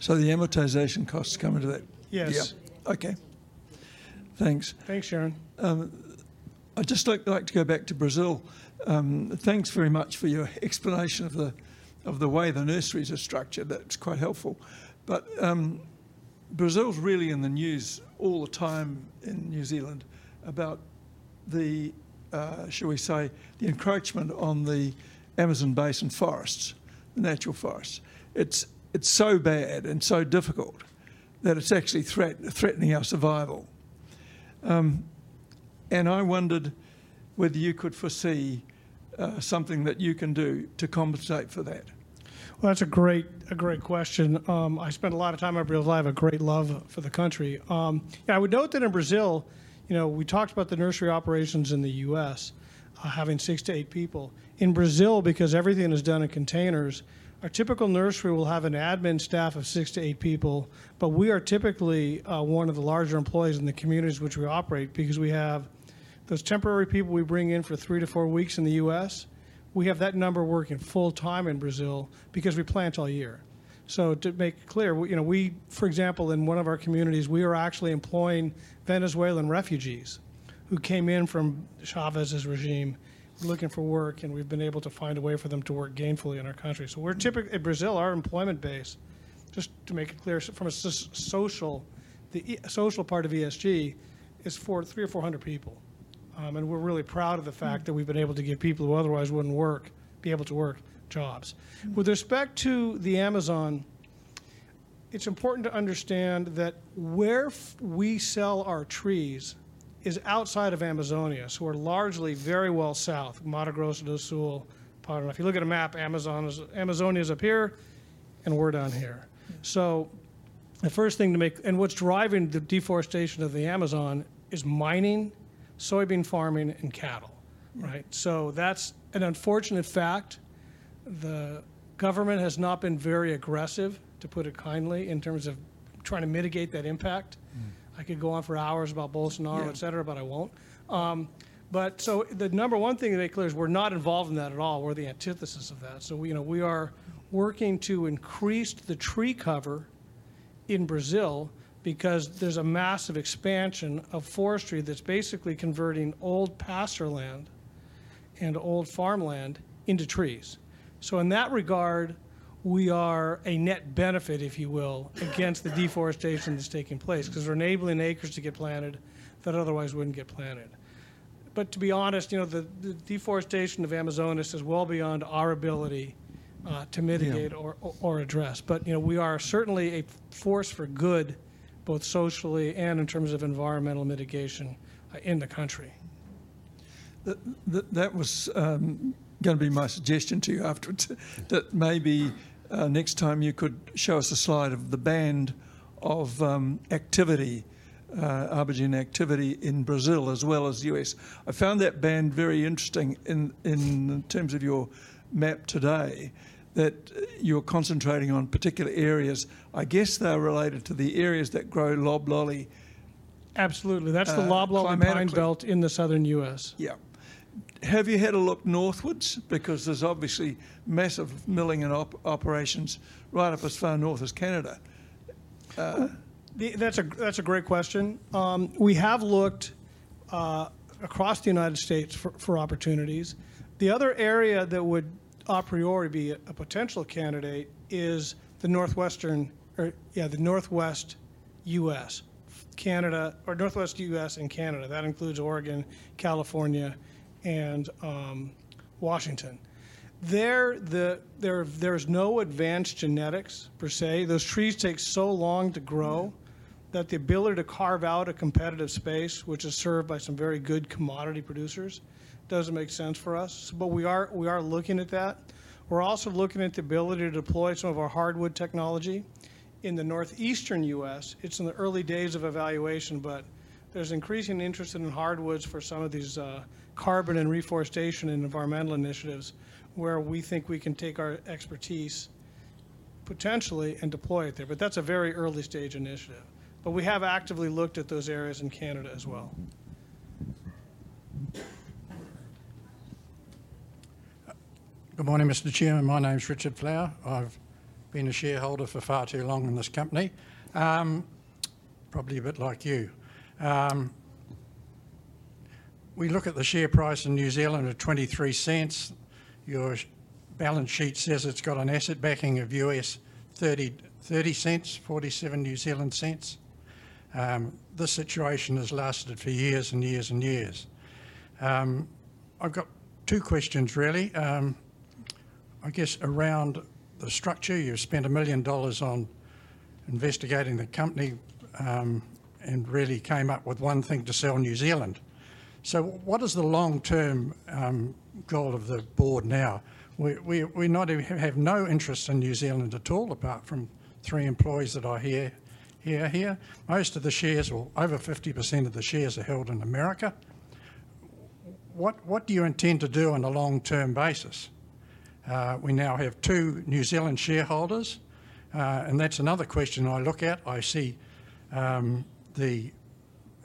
Administrative costs is around NZD 10 million, excluding depreciation. In here, excluding this bit, we also put IFRS accounting, so it's how we amortize our- The amortization costs come into that? Yes. Yeah. Okay. Thanks. Thanks, Sharon. I'd just like to go back to Brazil. Thanks very much for your explanation of the way the nurseries are structured. That's quite helpful. Brazil's really in the news all the time in New Zealand about the, shall we say, the encroachment on the Amazon Basin forests, the natural forests. It's so bad and so difficult that it's actually threatening our survival. I wondered whether you could foresee something that you can do to compensate for that. Well, that's a great question. I spend a lot of time in Brazil. I have a great love for the country. Yeah, I would note that in Brazil, you know, we talked about the nursery operations in the U.S., having 6-8 people. In Brazil, because everything is done in containers, our typical nursery will have an admin staff of 6-8 people, but we are typically one of the larger employers in the communities which we operate because we have those temporary people we bring in for 3-4 weeks in the U.S., we have that number working full-time in Brazil because we plant all year. To make it clear, we, you know, we. For example, in one of our communities, we are actually employing Venezuelan refugees who came in from Chávez's regime looking for work, and we've been able to find a way for them to work gainfully in our country. In Brazil, our employment base, just to make it clear, from a social, the social part of ESG, is 430 or 400 people. We're really proud of the fact that we've been able to give people who otherwise wouldn't work, be able to work jobs. With respect to the Amazon, it's important to understand that where we sell our trees is outside of Amazonia, so we're largely very well south, Mato Grosso do Sul, Paraná. If you look at a map, Amazon is, Amazonia is up here, and we're down here. What's driving the deforestation of the Amazon is mining, soybean farming, and cattle, right? That's an unfortunate fact. The government has not been very aggressive, to put it kindly, in terms of trying to mitigate that impact. Mm-hmm. I could go on for hours about Bolsonaro. Yeah... et cetera, but I won't. The number one thing to make clear is we're not involved in that at all. We're the antithesis of that. You know, we are working to increase the tree cover in Brazil because there's a massive expansion of forestry that's basically converting old pasture land and old farmland into trees. In that regard, we are a net benefit, if you will, against the deforestation that's taking place because we're enabling acres to get planted that otherwise wouldn't get planted. To be honest, you know, the deforestation of Amazonia is well beyond our ability to mitigate. Yeah or address. You know, we are certainly a force for good, both socially and in terms of environmental mitigation, in the country. That was gonna be my suggestion to you afterwards, that maybe next time you could show us a slide of the band of activity, ArborGen activity in Brazil as well as U.S. I found that band very interesting in terms of your map today, that you're concentrating on particular areas. I guess they're related to the areas that grow loblolly. Absolutely. Climatically. That's the Loblolly pine belt in the southern U.S. Yeah. Have you had a look northwards? Because there's obviously massive milling and operations right up as far north as Canada. That's a great question. We have looked across the United States for opportunities. The other area that would a priori be a potential candidate is the northwest U.S. and Canada. That includes Oregon, California, and Washington. There's no advanced genetics per se. Those trees take so long to grow that the ability to carve out a competitive space, which is served by some very good commodity producers, doesn't make sense for us. We are looking at that. We're also looking at the ability to deploy some of our hardwood technology in the northeastern U.S. It's in the early days of evaluation, but there's increasing interest in hardwoods for some of these, carbon and reforestation and environmental initiatives where we think we can take our expertise potentially and deploy it there. That's a very early-stage initiative. We have actively looked at those areas in Canada as well. Mm-hmm. Good morning, Mr. Chairman. My name's Richard Flower. I've been a shareholder for far too long in this company. Probably a bit like you. We look at the share price in New Zealand at 0.23. Your balance sheet says it's got an asset backing of $0.30, 0.47. This situation has lasted for years and years and years. I've got two questions really. I guess around the structure, you spent $1 million on investigating the company, and really came up with one thing to sell New Zealand. What is the long-term goal of the board now? We not even have no interest in New Zealand at all, apart from 3 employees that are here. Most of the shares, or over 50% of the shares are held in America. What do you intend to do on a long-term basis? We now have two New Zealand shareholders, and that's another question I look at. I see the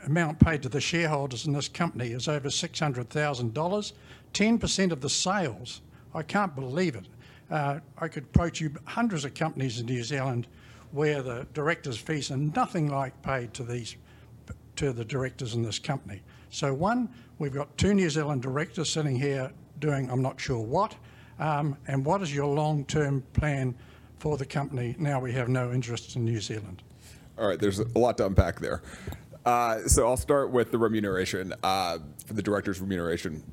amount paid to the shareholders in this company is over $600,000. 10% of the sales, I can't believe it. I could approach you hundreds of companies in New Zealand where the director's fees are nothing like paid to these to the directors in this company. We've got two New Zealand directors sitting here doing, I'm not sure what. What is your long-term plan for the company now we have no interests in New Zealand? All right. There's a lot to unpack there. I'll start with the remuneration, the director's remuneration.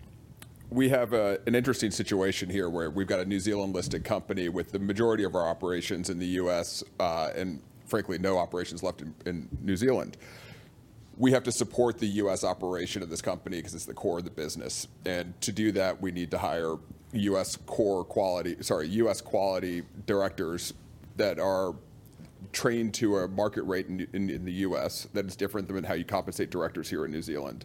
We have an interesting situation here where we've got a New Zealand-listed company with the majority of our operations in the U.S., and frankly, no operations left in New Zealand. We have to support the U.S. operation of this company 'cause it's the core of the business. To do that, we need to hire U.S. quality directors that are trained to a market rate in the U.S. that is different than how you compensate directors here in New Zealand.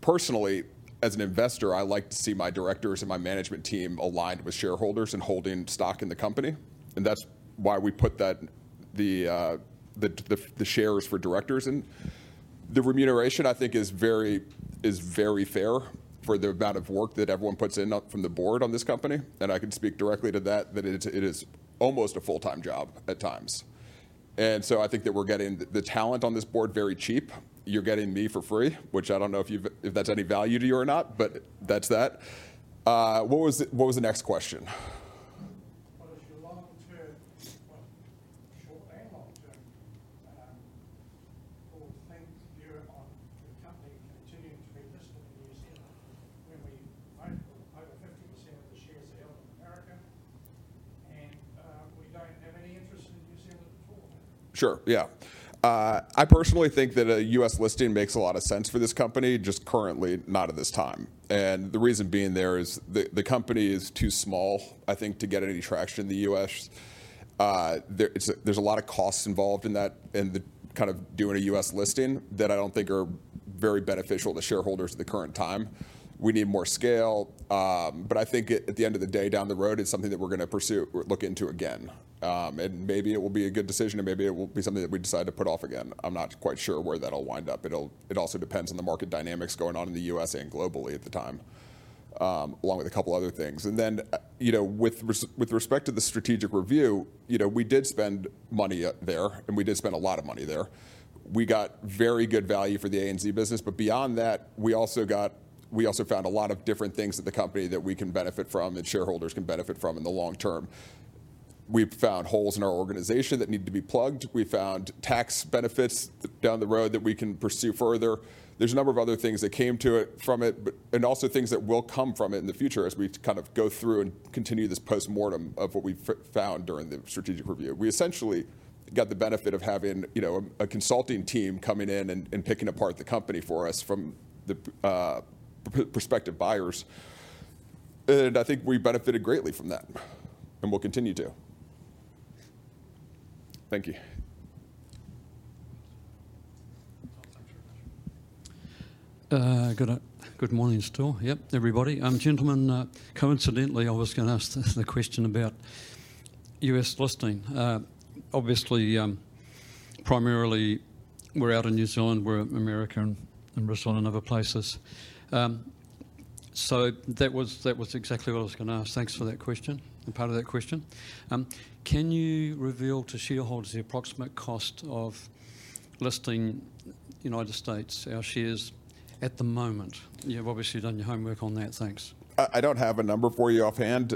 Personally, as an investor, I like to see my directors and my management team aligned with shareholders and holding stock in the company, and that's why we put that the shares for directors. The remuneration I think is very fair for the amount of work that everyone puts in up from the board on this company. I can speak directly to that. It's almost a full-time job at times. I think that we're getting the talent on this board very cheap. You're getting me for free, which I don't know if that's any value to you or not, but that's that. What was the next question? What is your long term, well, short and long term, board think here on the company continuing to be listed in New Zealand when we own over 50% of the shares are held in America and, we don't have any interest in New Zealand at all? Sure. Yeah. I personally think that a U.S. listing makes a lot of sense for this company, just currently not at this time and the reason being there is the company is too small, I think, to get any traction in the U.S. There's a lot of costs involved in that, in the kind of doing a U.S. listing that I don't think are very beneficial to shareholders at the current time. We need more scale, but I think at the end of the day, down the road, it's something that we're gonna pursue or look into again. And maybe it will be a good decision or maybe it will be something that we decide to put off again. I'm not quite sure where that'll wind up. It also depends on the market dynamics going on in the U.S. and globally at the time, along with a couple other things. You know, with respect to the strategic review, you know, we did spend money there, and we did spend a lot of money there. We got very good value for the ANZ business. Beyond that, we also found a lot of different things at the company that we can benefit from and shareholders can benefit from in the long term. We found holes in our organization that need to be plugged. We found tax benefits down the road that we can pursue further. There's a number of other things that came from it. also things that will come from it in the future as we kind of go through and continue this postmortem of what we found during the strategic review. We essentially got the benefit of having, you know, a consulting team coming in and picking apart the company for us from the prospective buyers. I think we benefited greatly from that, and we'll continue to. Thank you. Good morning still. Yep, everybody. Gentlemen, coincidentally, I was gonna ask the question about U.S. listing. Obviously, primarily we're out in New Zealand. We're American and based in other places. That was exactly what I was gonna ask. Thanks for that question and part of that question. Can you reveal to shareholders the approximate cost of listing our shares in the United States at the moment? You've obviously done your homework on that. Thanks. I don't have a number for you offhand.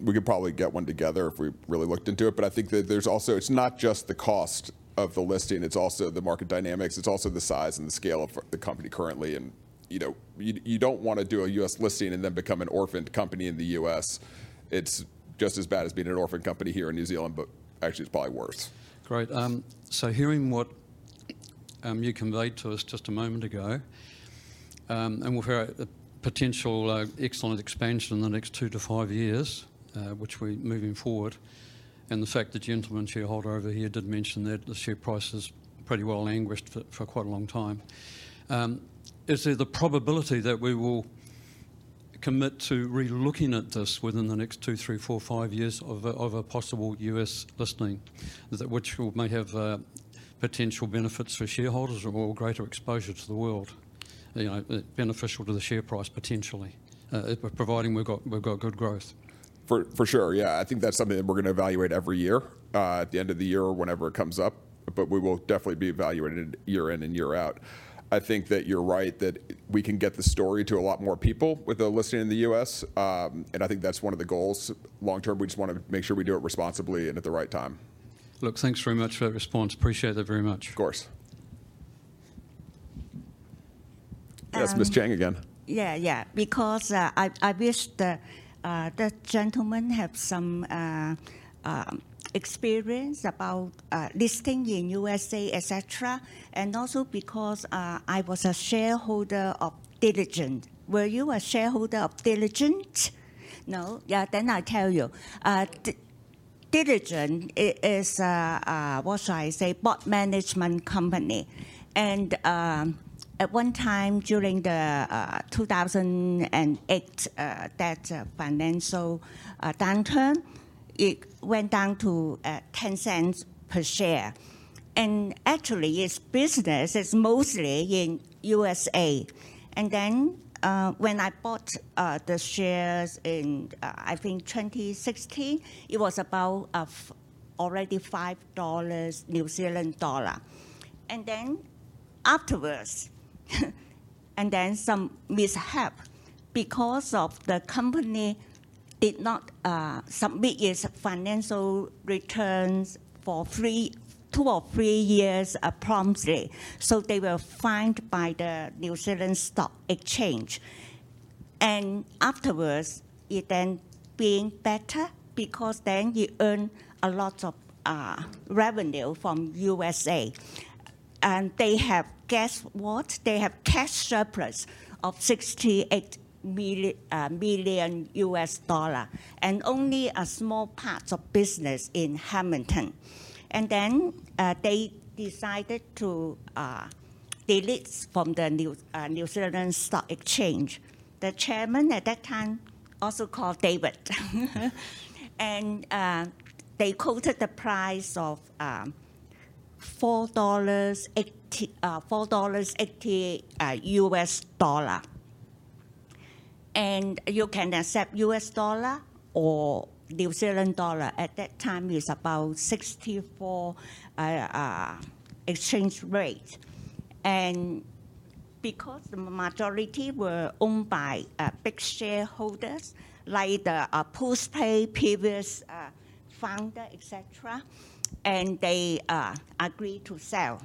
We could probably get one together if we really looked into it. I think that there's also. It's not just the cost of the listing, it's also the market dynamics. It's also the size and the scale of the company currently and. You know, you don't wanna do a U.S. listing and then become an orphaned company in the U.S. It's just as bad as being an orphaned company here in New Zealand, but actually it's probably worse. Great. Hearing what you conveyed to us just a moment ago, and with a potential excellent expansion in the next two to five years, which we're moving forward, and the fact the gentleman shareholder over here did mention that the share price is pretty well languished for quite a long time. Is there the probability that we will commit to relooking at this within the next two, three, four, five years of a possible U.S. listing that which will may have potential benefits for shareholders or greater exposure to the world, you know, beneficial to the share price potentially, providing we've got good growth? For sure. Yeah. I think that's something that we're gonna evaluate every year, at the end of the year or whenever it comes up. We will definitely be evaluating it year in and year out. I think that you're right that we can get the story to a lot more people with a listing in the US, and I think that's one of the goals long term. We just wanna make sure we do it responsibly and at the right time. Look, thanks very much for that response. Appreciate that very much. Of course. Yes, Ms. Ching again. Yeah, yeah. Because I wish the gentleman have some experience about listing in U.S., et cetera. Also because I was a shareholder of Diligent. Were you a shareholder of Diligent? No? Yeah, then I tell you. Diligent is what should I say? Board management company. At one time during the 2008 financial downturn, it went down to NZ$0.10 per share. Actually its business is mostly in U.S. Then when I bought the shares in I think 2016, it was about of already NZ$5 New Zealand dollar. Afterwards, some mishap because the company did not submit its financial returns for two or three years promptly. They were fined by the New Zealand Stock Exchange. Afterwards, it then being better because then you earn a lot of revenue from USA. They have, guess what? They have cash surplus of $68 million and only a small part of business in Hamilton. They decided to delist from the New Zealand Stock Exchange. The chairman at that time also called David. They quoted the price of $4.88 US dollar. You can accept US dollar or New Zealand dollar. At that time, it's about 0.64 exchange rate. Because the majority were owned by big shareholders, like the Fletcher family, previous founder, et cetera, and they agreed to sell.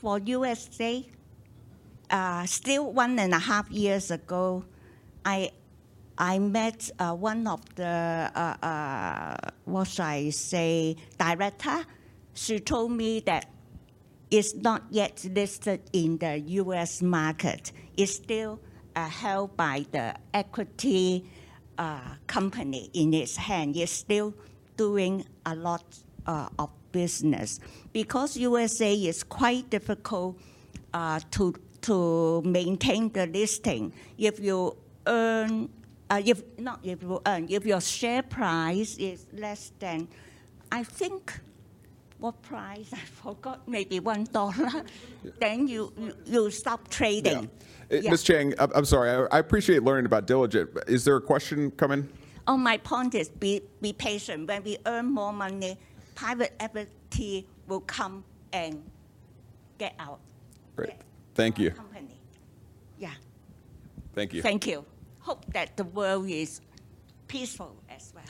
For USA, still one and a half years ago, I met one of the, what should I say? director. She told me that it's not yet listed in the U.S. market. It's still held by the equity company in its hand. It's still doing a lot of business. Because USA is quite difficult to maintain the listing. If your share price is less than, I think, what price? I forgot. Maybe $1, then you stop trading. Yeah. Yeah. Ms. Ching, I'm sorry. I appreciate learning about Diligent. Is there a question coming? Oh, my point is be patient. When we earn more money, private equity will come and get out. Great. Thank you. Our company. Yeah. Thank you. Thank you. Hope that the world is peaceful as well.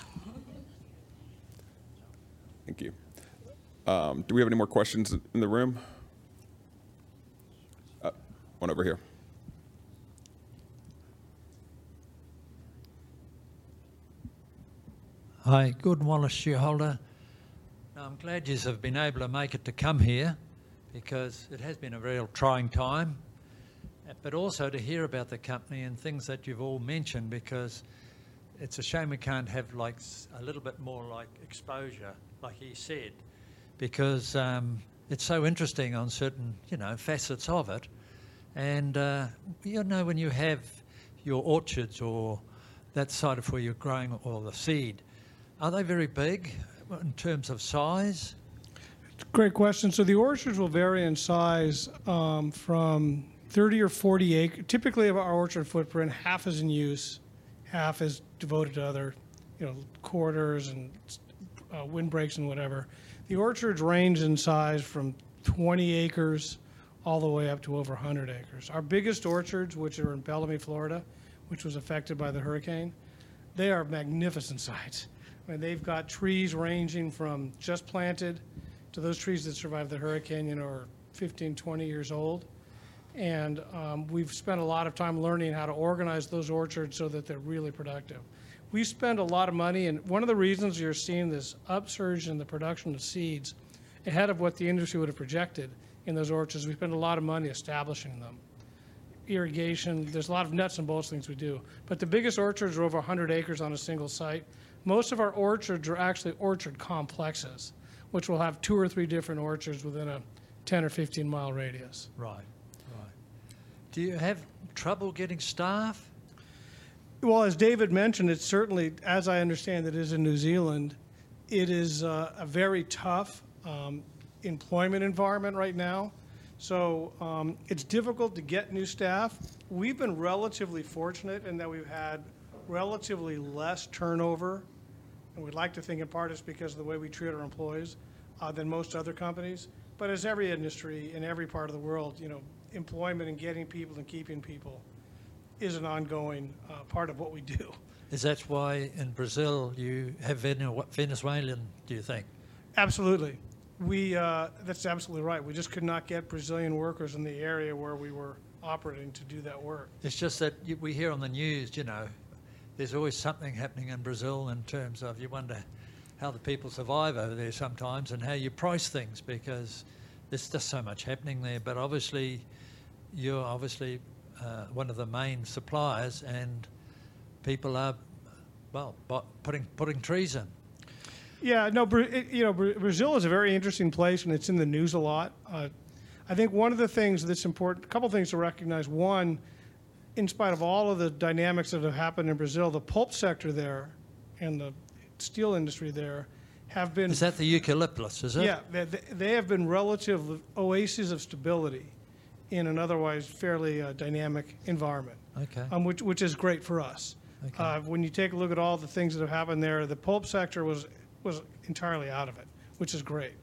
Thank you. Do we have any more questions in the room? One over here. Hi. Gordon Wallace, shareholder. I'm glad you've been able to make it to come here because it has been a real trying time. But also to hear about the company and things that you've all mentioned because it's a shame we can't have, like, a little bit more, like, exposure, like you said, because it's so interesting on certain, you know, facets of it. You know, when you have your orchards or that side of where you're growing all the seed, are they very big in terms of size? Great question. The orchards will vary in size from 30 or 40 acres. Typically of our orchard footprint, half is in use, half is devoted to other, you know, corridors and windbreaks and whatever. The orchards range in size from 20 acres all the way up to over 100 acres. Our biggest orchards, which are in Blountstown, Florida, which was affected by the hurricane, they are magnificent sites. I mean, they've got trees ranging from just planted to those trees that survived the hurricane and are 15, 20 years old. We've spent a lot of time learning how to organize those orchards so that they're really productive. We've spent a lot of money, and one of the reasons you're seeing this upsurge in the production of seeds ahead of what the industry would have projected in those orchards. We've spent a lot of money establishing them. Irrigation. There's a lot of nuts-and-bolts things we do. The biggest orchards are over 100 acres on a single site. Most of our orchards are actually orchard complexes, which will have 2 or 3 different orchards within a 10- or 15-mile radius. Right. Do you have trouble getting staff? Well, as David mentioned, it's certainly, as I understand it, in New Zealand it is a very tough employment environment right now. It's difficult to get new staff. We've been relatively fortunate in that we've had relatively less turnover, and we'd like to think in part it's because of the way we treat our employees than most other companies. As every industry in every part of the world, you know, employment and getting people and keeping people is an ongoing part of what we do. Is that why in Brazil you have Venezuelan, do you think? Absolutely. That's absolutely right. We just could not get Brazilian workers in the area where we were operating to do that work. It's just that we hear on the news, you know, there's always something happening in Brazil in terms of you wonder how the people survive over there sometimes and how you price things because there's just so much happening there. Obviously, you're one of the main suppliers, and people are putting trees in. No, Brazil is a very interesting place, and it's in the news a lot. You know, I think one of the things that's important, couple things to recognize. One, in spite of all of the dynamics that have happened in Brazil, the pulp sector there and the steel industry there have been. Is that the eucalyptus, is it? Yeah. They have been relatively oases of stability in an otherwise fairly dynamic environment. Okay which is great for us. Okay. When you take a look at all the things that have happened there, the pulp sector was entirely out of it, which is great.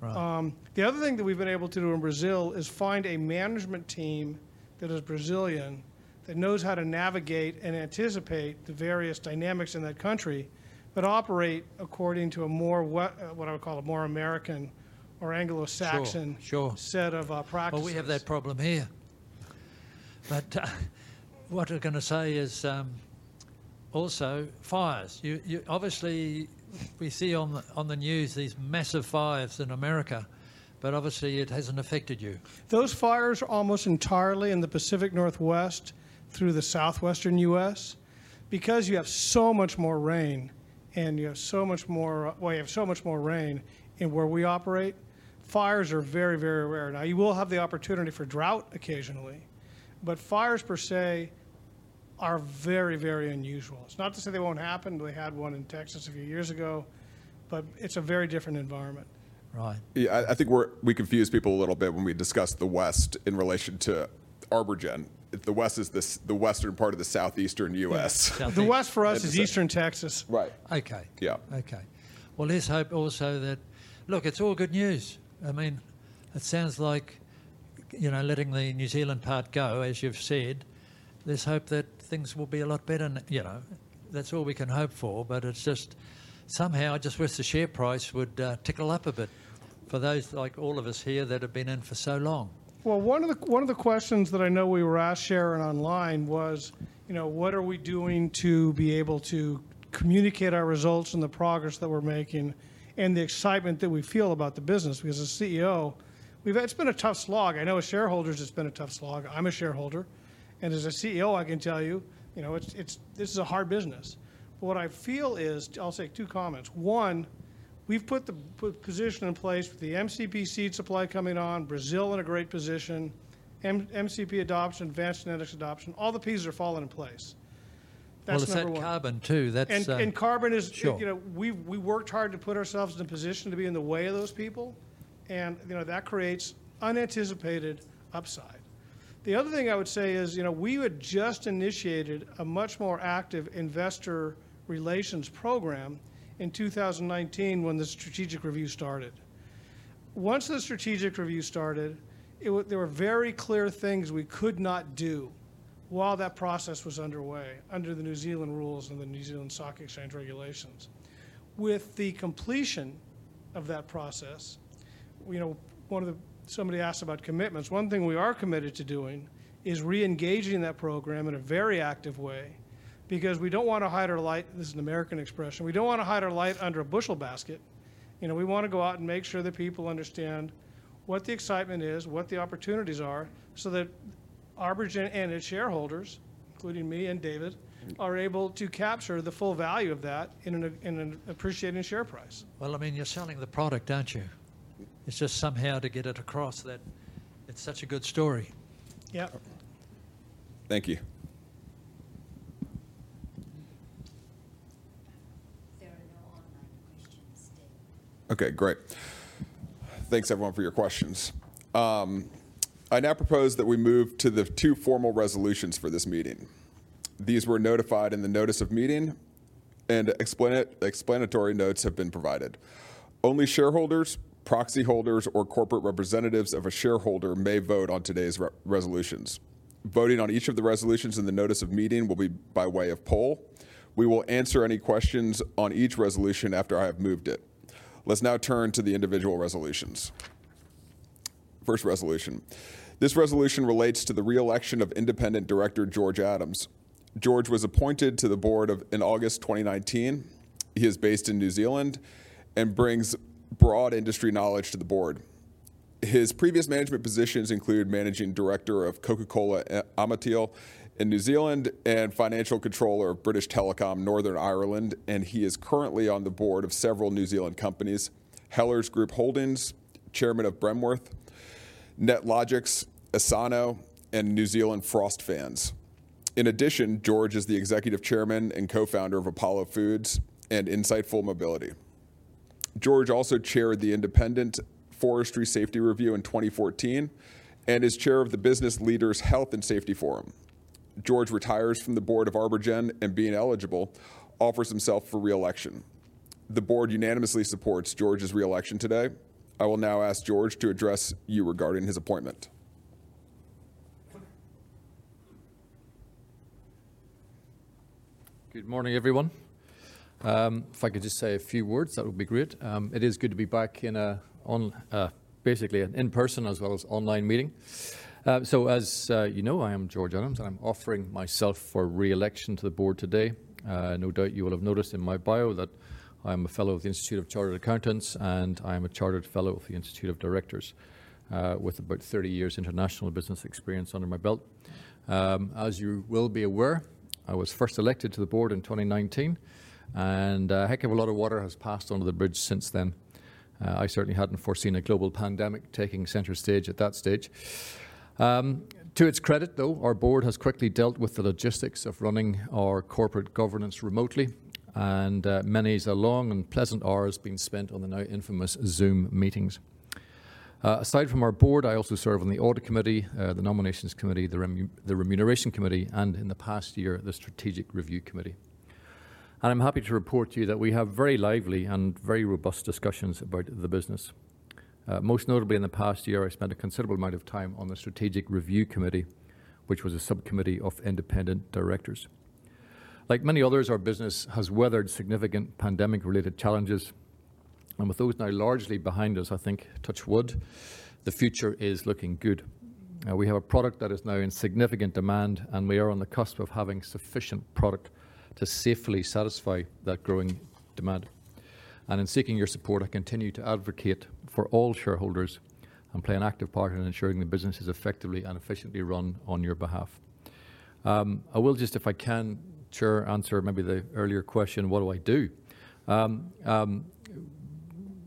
Right. The other thing that we've been able to do in Brazil is find a management team that is Brazilian, that knows how to navigate and anticipate the various dynamics in that country, but operate according to a more what I would call a more American or Anglo-Saxon. Sure, sure. set of practices. Well, we have that problem here. What we're gonna say is also fires. Obviously, we see on the news these massive fires in America, but obviously it hasn't affected you. Those fires are almost entirely in the Pacific Northwest through the Southwestern U.S. Because you have so much more rain, and you have so much more, well, you have so much more rain in where we operate, fires are very, very rare. Now, you will have the opportunity for drought occasionally, but fires per se are very, very unusual. It's not to say they won't happen. We had one in Texas a few years ago, but it's a very different environment. Right. Yeah, I think we confuse people a little bit when we discuss the West in relation to ArborGen. The West is the western part of the Southeastern U.S. Yeah. Southeast. The west for us is Eastern Texas. Right. Okay. Yeah. Okay. Well, let's hope also that. Look, it's all good news. I mean, it sounds like, you know, letting the New Zealand part go, as you've said, let's hope that things will be a lot better. You know, that's all we can hope for, but it's just somehow I just wish the share price would tickle up a bit for those like all of us here that have been in for so long. Well, one of the questions that I know we were asked, Sharon, online was, you know, what are we doing to be able to communicate our results and the progress that we're making and the excitement that we feel about the business? Because as CEO, it's been a tough slog. I know as shareholders, it's been a tough slog. I'm a shareholder. As a CEO, I can tell you know, this is a hard business. What I feel is, I'll say two comments. One, we've put position in place with the MCP seed supply coming on, Brazil in a great position, MCP adoption, advanced genetics adoption, all the pieces are falling in place. That's number one. Well, is that carbon too? Carbon is. Sure. You know, we've worked hard to put ourselves in a position to be in the way of those people. You know, that creates unanticipated upside. The other thing I would say is, you know, we had just initiated a much more active investor relations program in 2019 when the strategic review started. Once the strategic review started, there were very clear things we could not do while that process was underway under the New Zealand rules and the New Zealand Stock Exchange regulations. With the completion of that process, you know, one of the. Somebody asked about commitments. One thing we are committed to doing is reengaging that program in a very active way because we don't wanna hide our light. This is an American expression. We don't wanna hide our light under a bushel basket. You know, we wanna go out and make sure that people understand what the excitement is, what the opportunities are, so that ArborGen and its shareholders, including me and David, are able to capture the full value of that in an appreciating share price. Well, I mean, you're selling the product, aren't you? It's just somehow to get it across that it's such a good story. Yeah. Thank you. There are no online questions, David. Okay, great. Thanks everyone for your questions. I now propose that we move to the two formal resolutions for this meeting. These were notified in the notice of meeting and explanatory notes have been provided. Only shareholders, proxy holders, or corporate representatives of a shareholder may vote on today's resolutions. Voting on each of the resolutions in the notice of meeting will be by way of poll. We will answer any questions on each resolution after I have moved it. Let's now turn to the individual resolutions. First resolution. This resolution relates to the reelection of Independent Director George Adams. George was appointed to the board in August 2019. He is based in New Zealand and brings broad industry knowledge to the board. His previous management positions include managing director of Coca-Cola Amatil in New Zealand and financial controller of British Telecom Northern Ireland, and he is currently on the board of several New Zealand companies, Hellers Group Holdings, chairman of Bremworth, Netlogix, Asmuss, and New Zealand Frost Fans. In addition, George is the executive chairman and co-founder of Apollo Foods and Insightful Mobility. George also chaired the Independent Forestry Safety Review in 2014 and is chair of the Business Leaders' Health and Safety Forum. George retires from the board of ArborGen and, being eligible, offers himself for re-election. The board unanimously supports George's re-election today. I will now ask George to address you regarding his appointment. Good morning, everyone. If I could just say a few words, that would be great. It is good to be back in an in-person as well as online meeting. You know, I am George Adams, and I'm offering myself for re-election to the board today. No doubt you will have noticed in my bio that I'm a fellow of the Institute of Chartered Accountants, and I'm a chartered fellow of the Institute of Directors, with about 30 years international business experience under my belt. As you will be aware, I was first elected to the board in 2019, and a heck of a lot of water has passed under the bridge since then. I certainly hadn't foreseen a global pandemic taking center stage at that stage. To its credit, though, our board has quickly dealt with the logistics of running our corporate governance remotely, and many's a long and pleasant hours being spent on the now infamous Zoom meetings. Aside from our board, I also serve on the audit committee, the nominations committee, the remuneration committee, and in the past year, the strategic review committee. I'm happy to report to you that we have very lively and very robust discussions about the business. Most notably in the past year, I spent a considerable amount of time on the strategic review committee, which was a subcommittee of independent directors. Like many others, our business has weathered significant pandemic-related challenges, and with those now largely behind us, I think, touch wood, the future is looking good. We have a product that is now in significant demand, and we are on the cusp of having sufficient product to safely satisfy that growing demand. In seeking your support, I continue to advocate for all shareholders and play an active part in ensuring the business is effectively and efficiently run on your behalf. I will, if I can, answer maybe the earlier question, what do I do?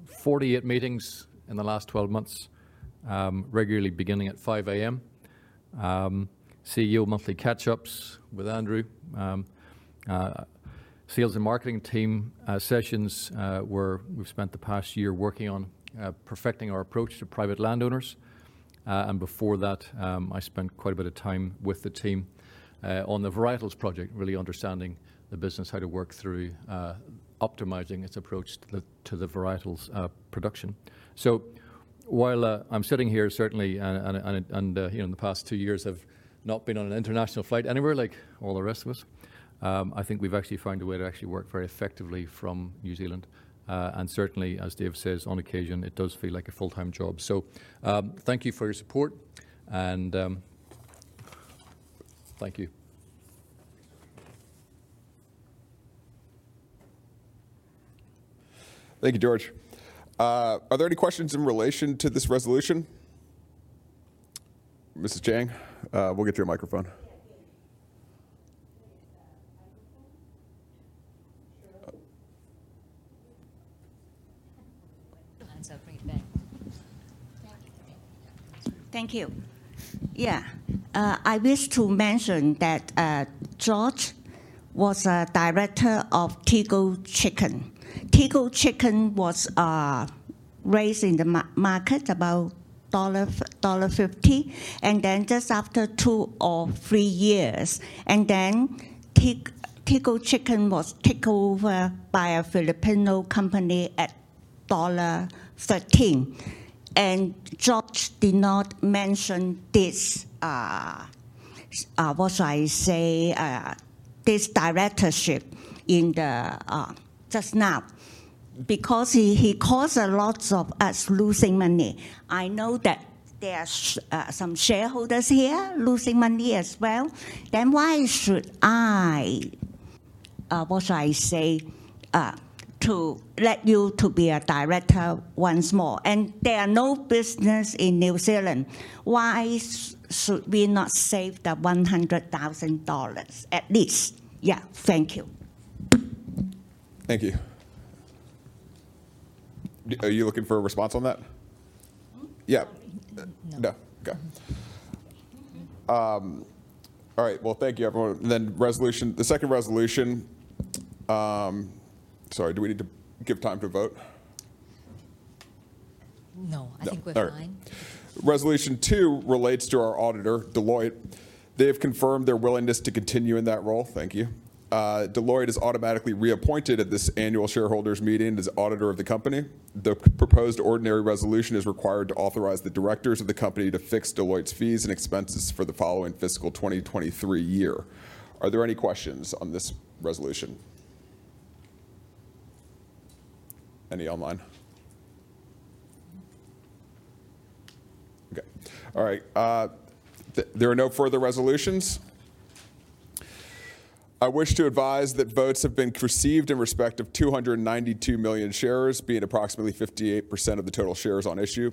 48 meetings in the last 12 months, regularly beginning at 5 A.M. CEO monthly catch-ups with Andrew. Sales and marketing team sessions, where we've spent the past year working on perfecting our approach to private landowners. Before that, I spent quite a bit of time with the team on the varietals project, really understanding the business, how to work through optimizing its approach to the varietals production. While I'm sitting here, certainly and you know, in the past two years have not been on an international flight anywhere like all the rest of us, I think we've actually found a way to actually work very effectively from New Zealand. Certainly, as David says, on occasion, it does feel like a full-time job. Thank you for your support, and thank you. Thank you, George. Are there any questions in relation to this resolution? Ms. Ching, we'll get you a microphone. Yeah, yeah. Can I get the microphone? Sure. Oh. Bring it back. Thank you. Yeah. I wish to mention that George Adams was a director of Tegel. Tegel was raised in the market about dollar 1.50, and then just after two or three years, Tegel was take over by a Filipino company at dollar 13. George Adams did not mention this, what should I say, this directorship in the just now because he caused a lot of us losing money. I know that there are some shareholders here losing money as well. Why should I, what should I say, to let you to be a director once more? There are no business in New Zealand. Why should we not save the 100,000 dollars at least? Yeah. Thank you. Thank you. Are you looking for a response on that? Hmm? Yeah. No. No. Okay. All right. Well, thank you, everyone. The second resolution. Sorry, do we need to give time to vote? No. No. All right. I think we're fine. Resolution two relates to our auditor, Deloitte. They have confirmed their willingness to continue in that role. Thank you. Deloitte is automatically reappointed at this annual shareholders' meeting as auditor of the company. The proposed ordinary resolution is required to authorize the directors of the company to fix Deloitte's fees and expenses for the following fiscal 2023 year. Are there any questions on this resolution? Any online? Okay. All right. There are no further resolutions. I wish to advise that votes have been received in respect of 292 million shares, being approximately 58% of the total shares on issue.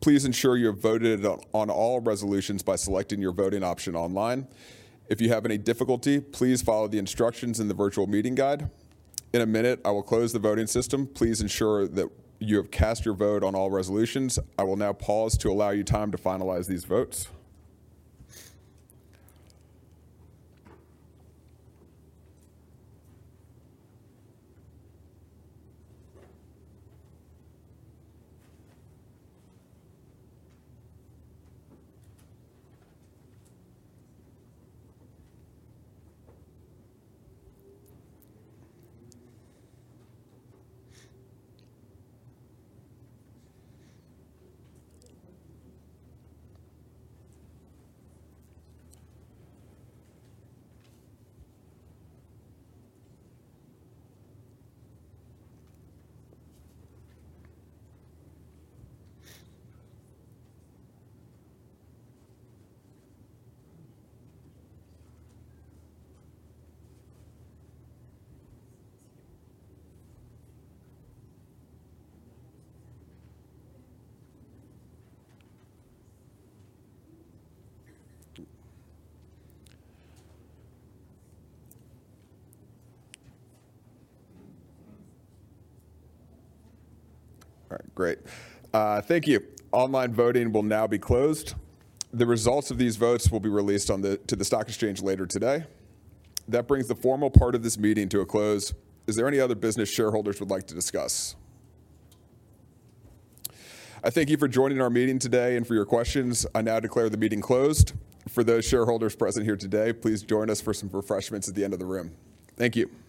Please ensure you have voted on all resolutions by selecting your voting option online. If you have any difficulty, please follow the instructions in the virtual meeting guide. In a minute, I will close the voting system. Please ensure that you have cast your vote on all resolutions. I will now pause to allow you time to finalize these votes. All right. Great. Thank you. Online voting will now be closed. The results of these votes will be released to the stock exchange later today. That brings the formal part of this meeting to a close. Is there any other business shareholders would like to discuss? I thank you for joining our meeting today and for your questions. I now declare the meeting closed. For those shareholders present here today, please join us for some refreshments at the end of the room. Thank you.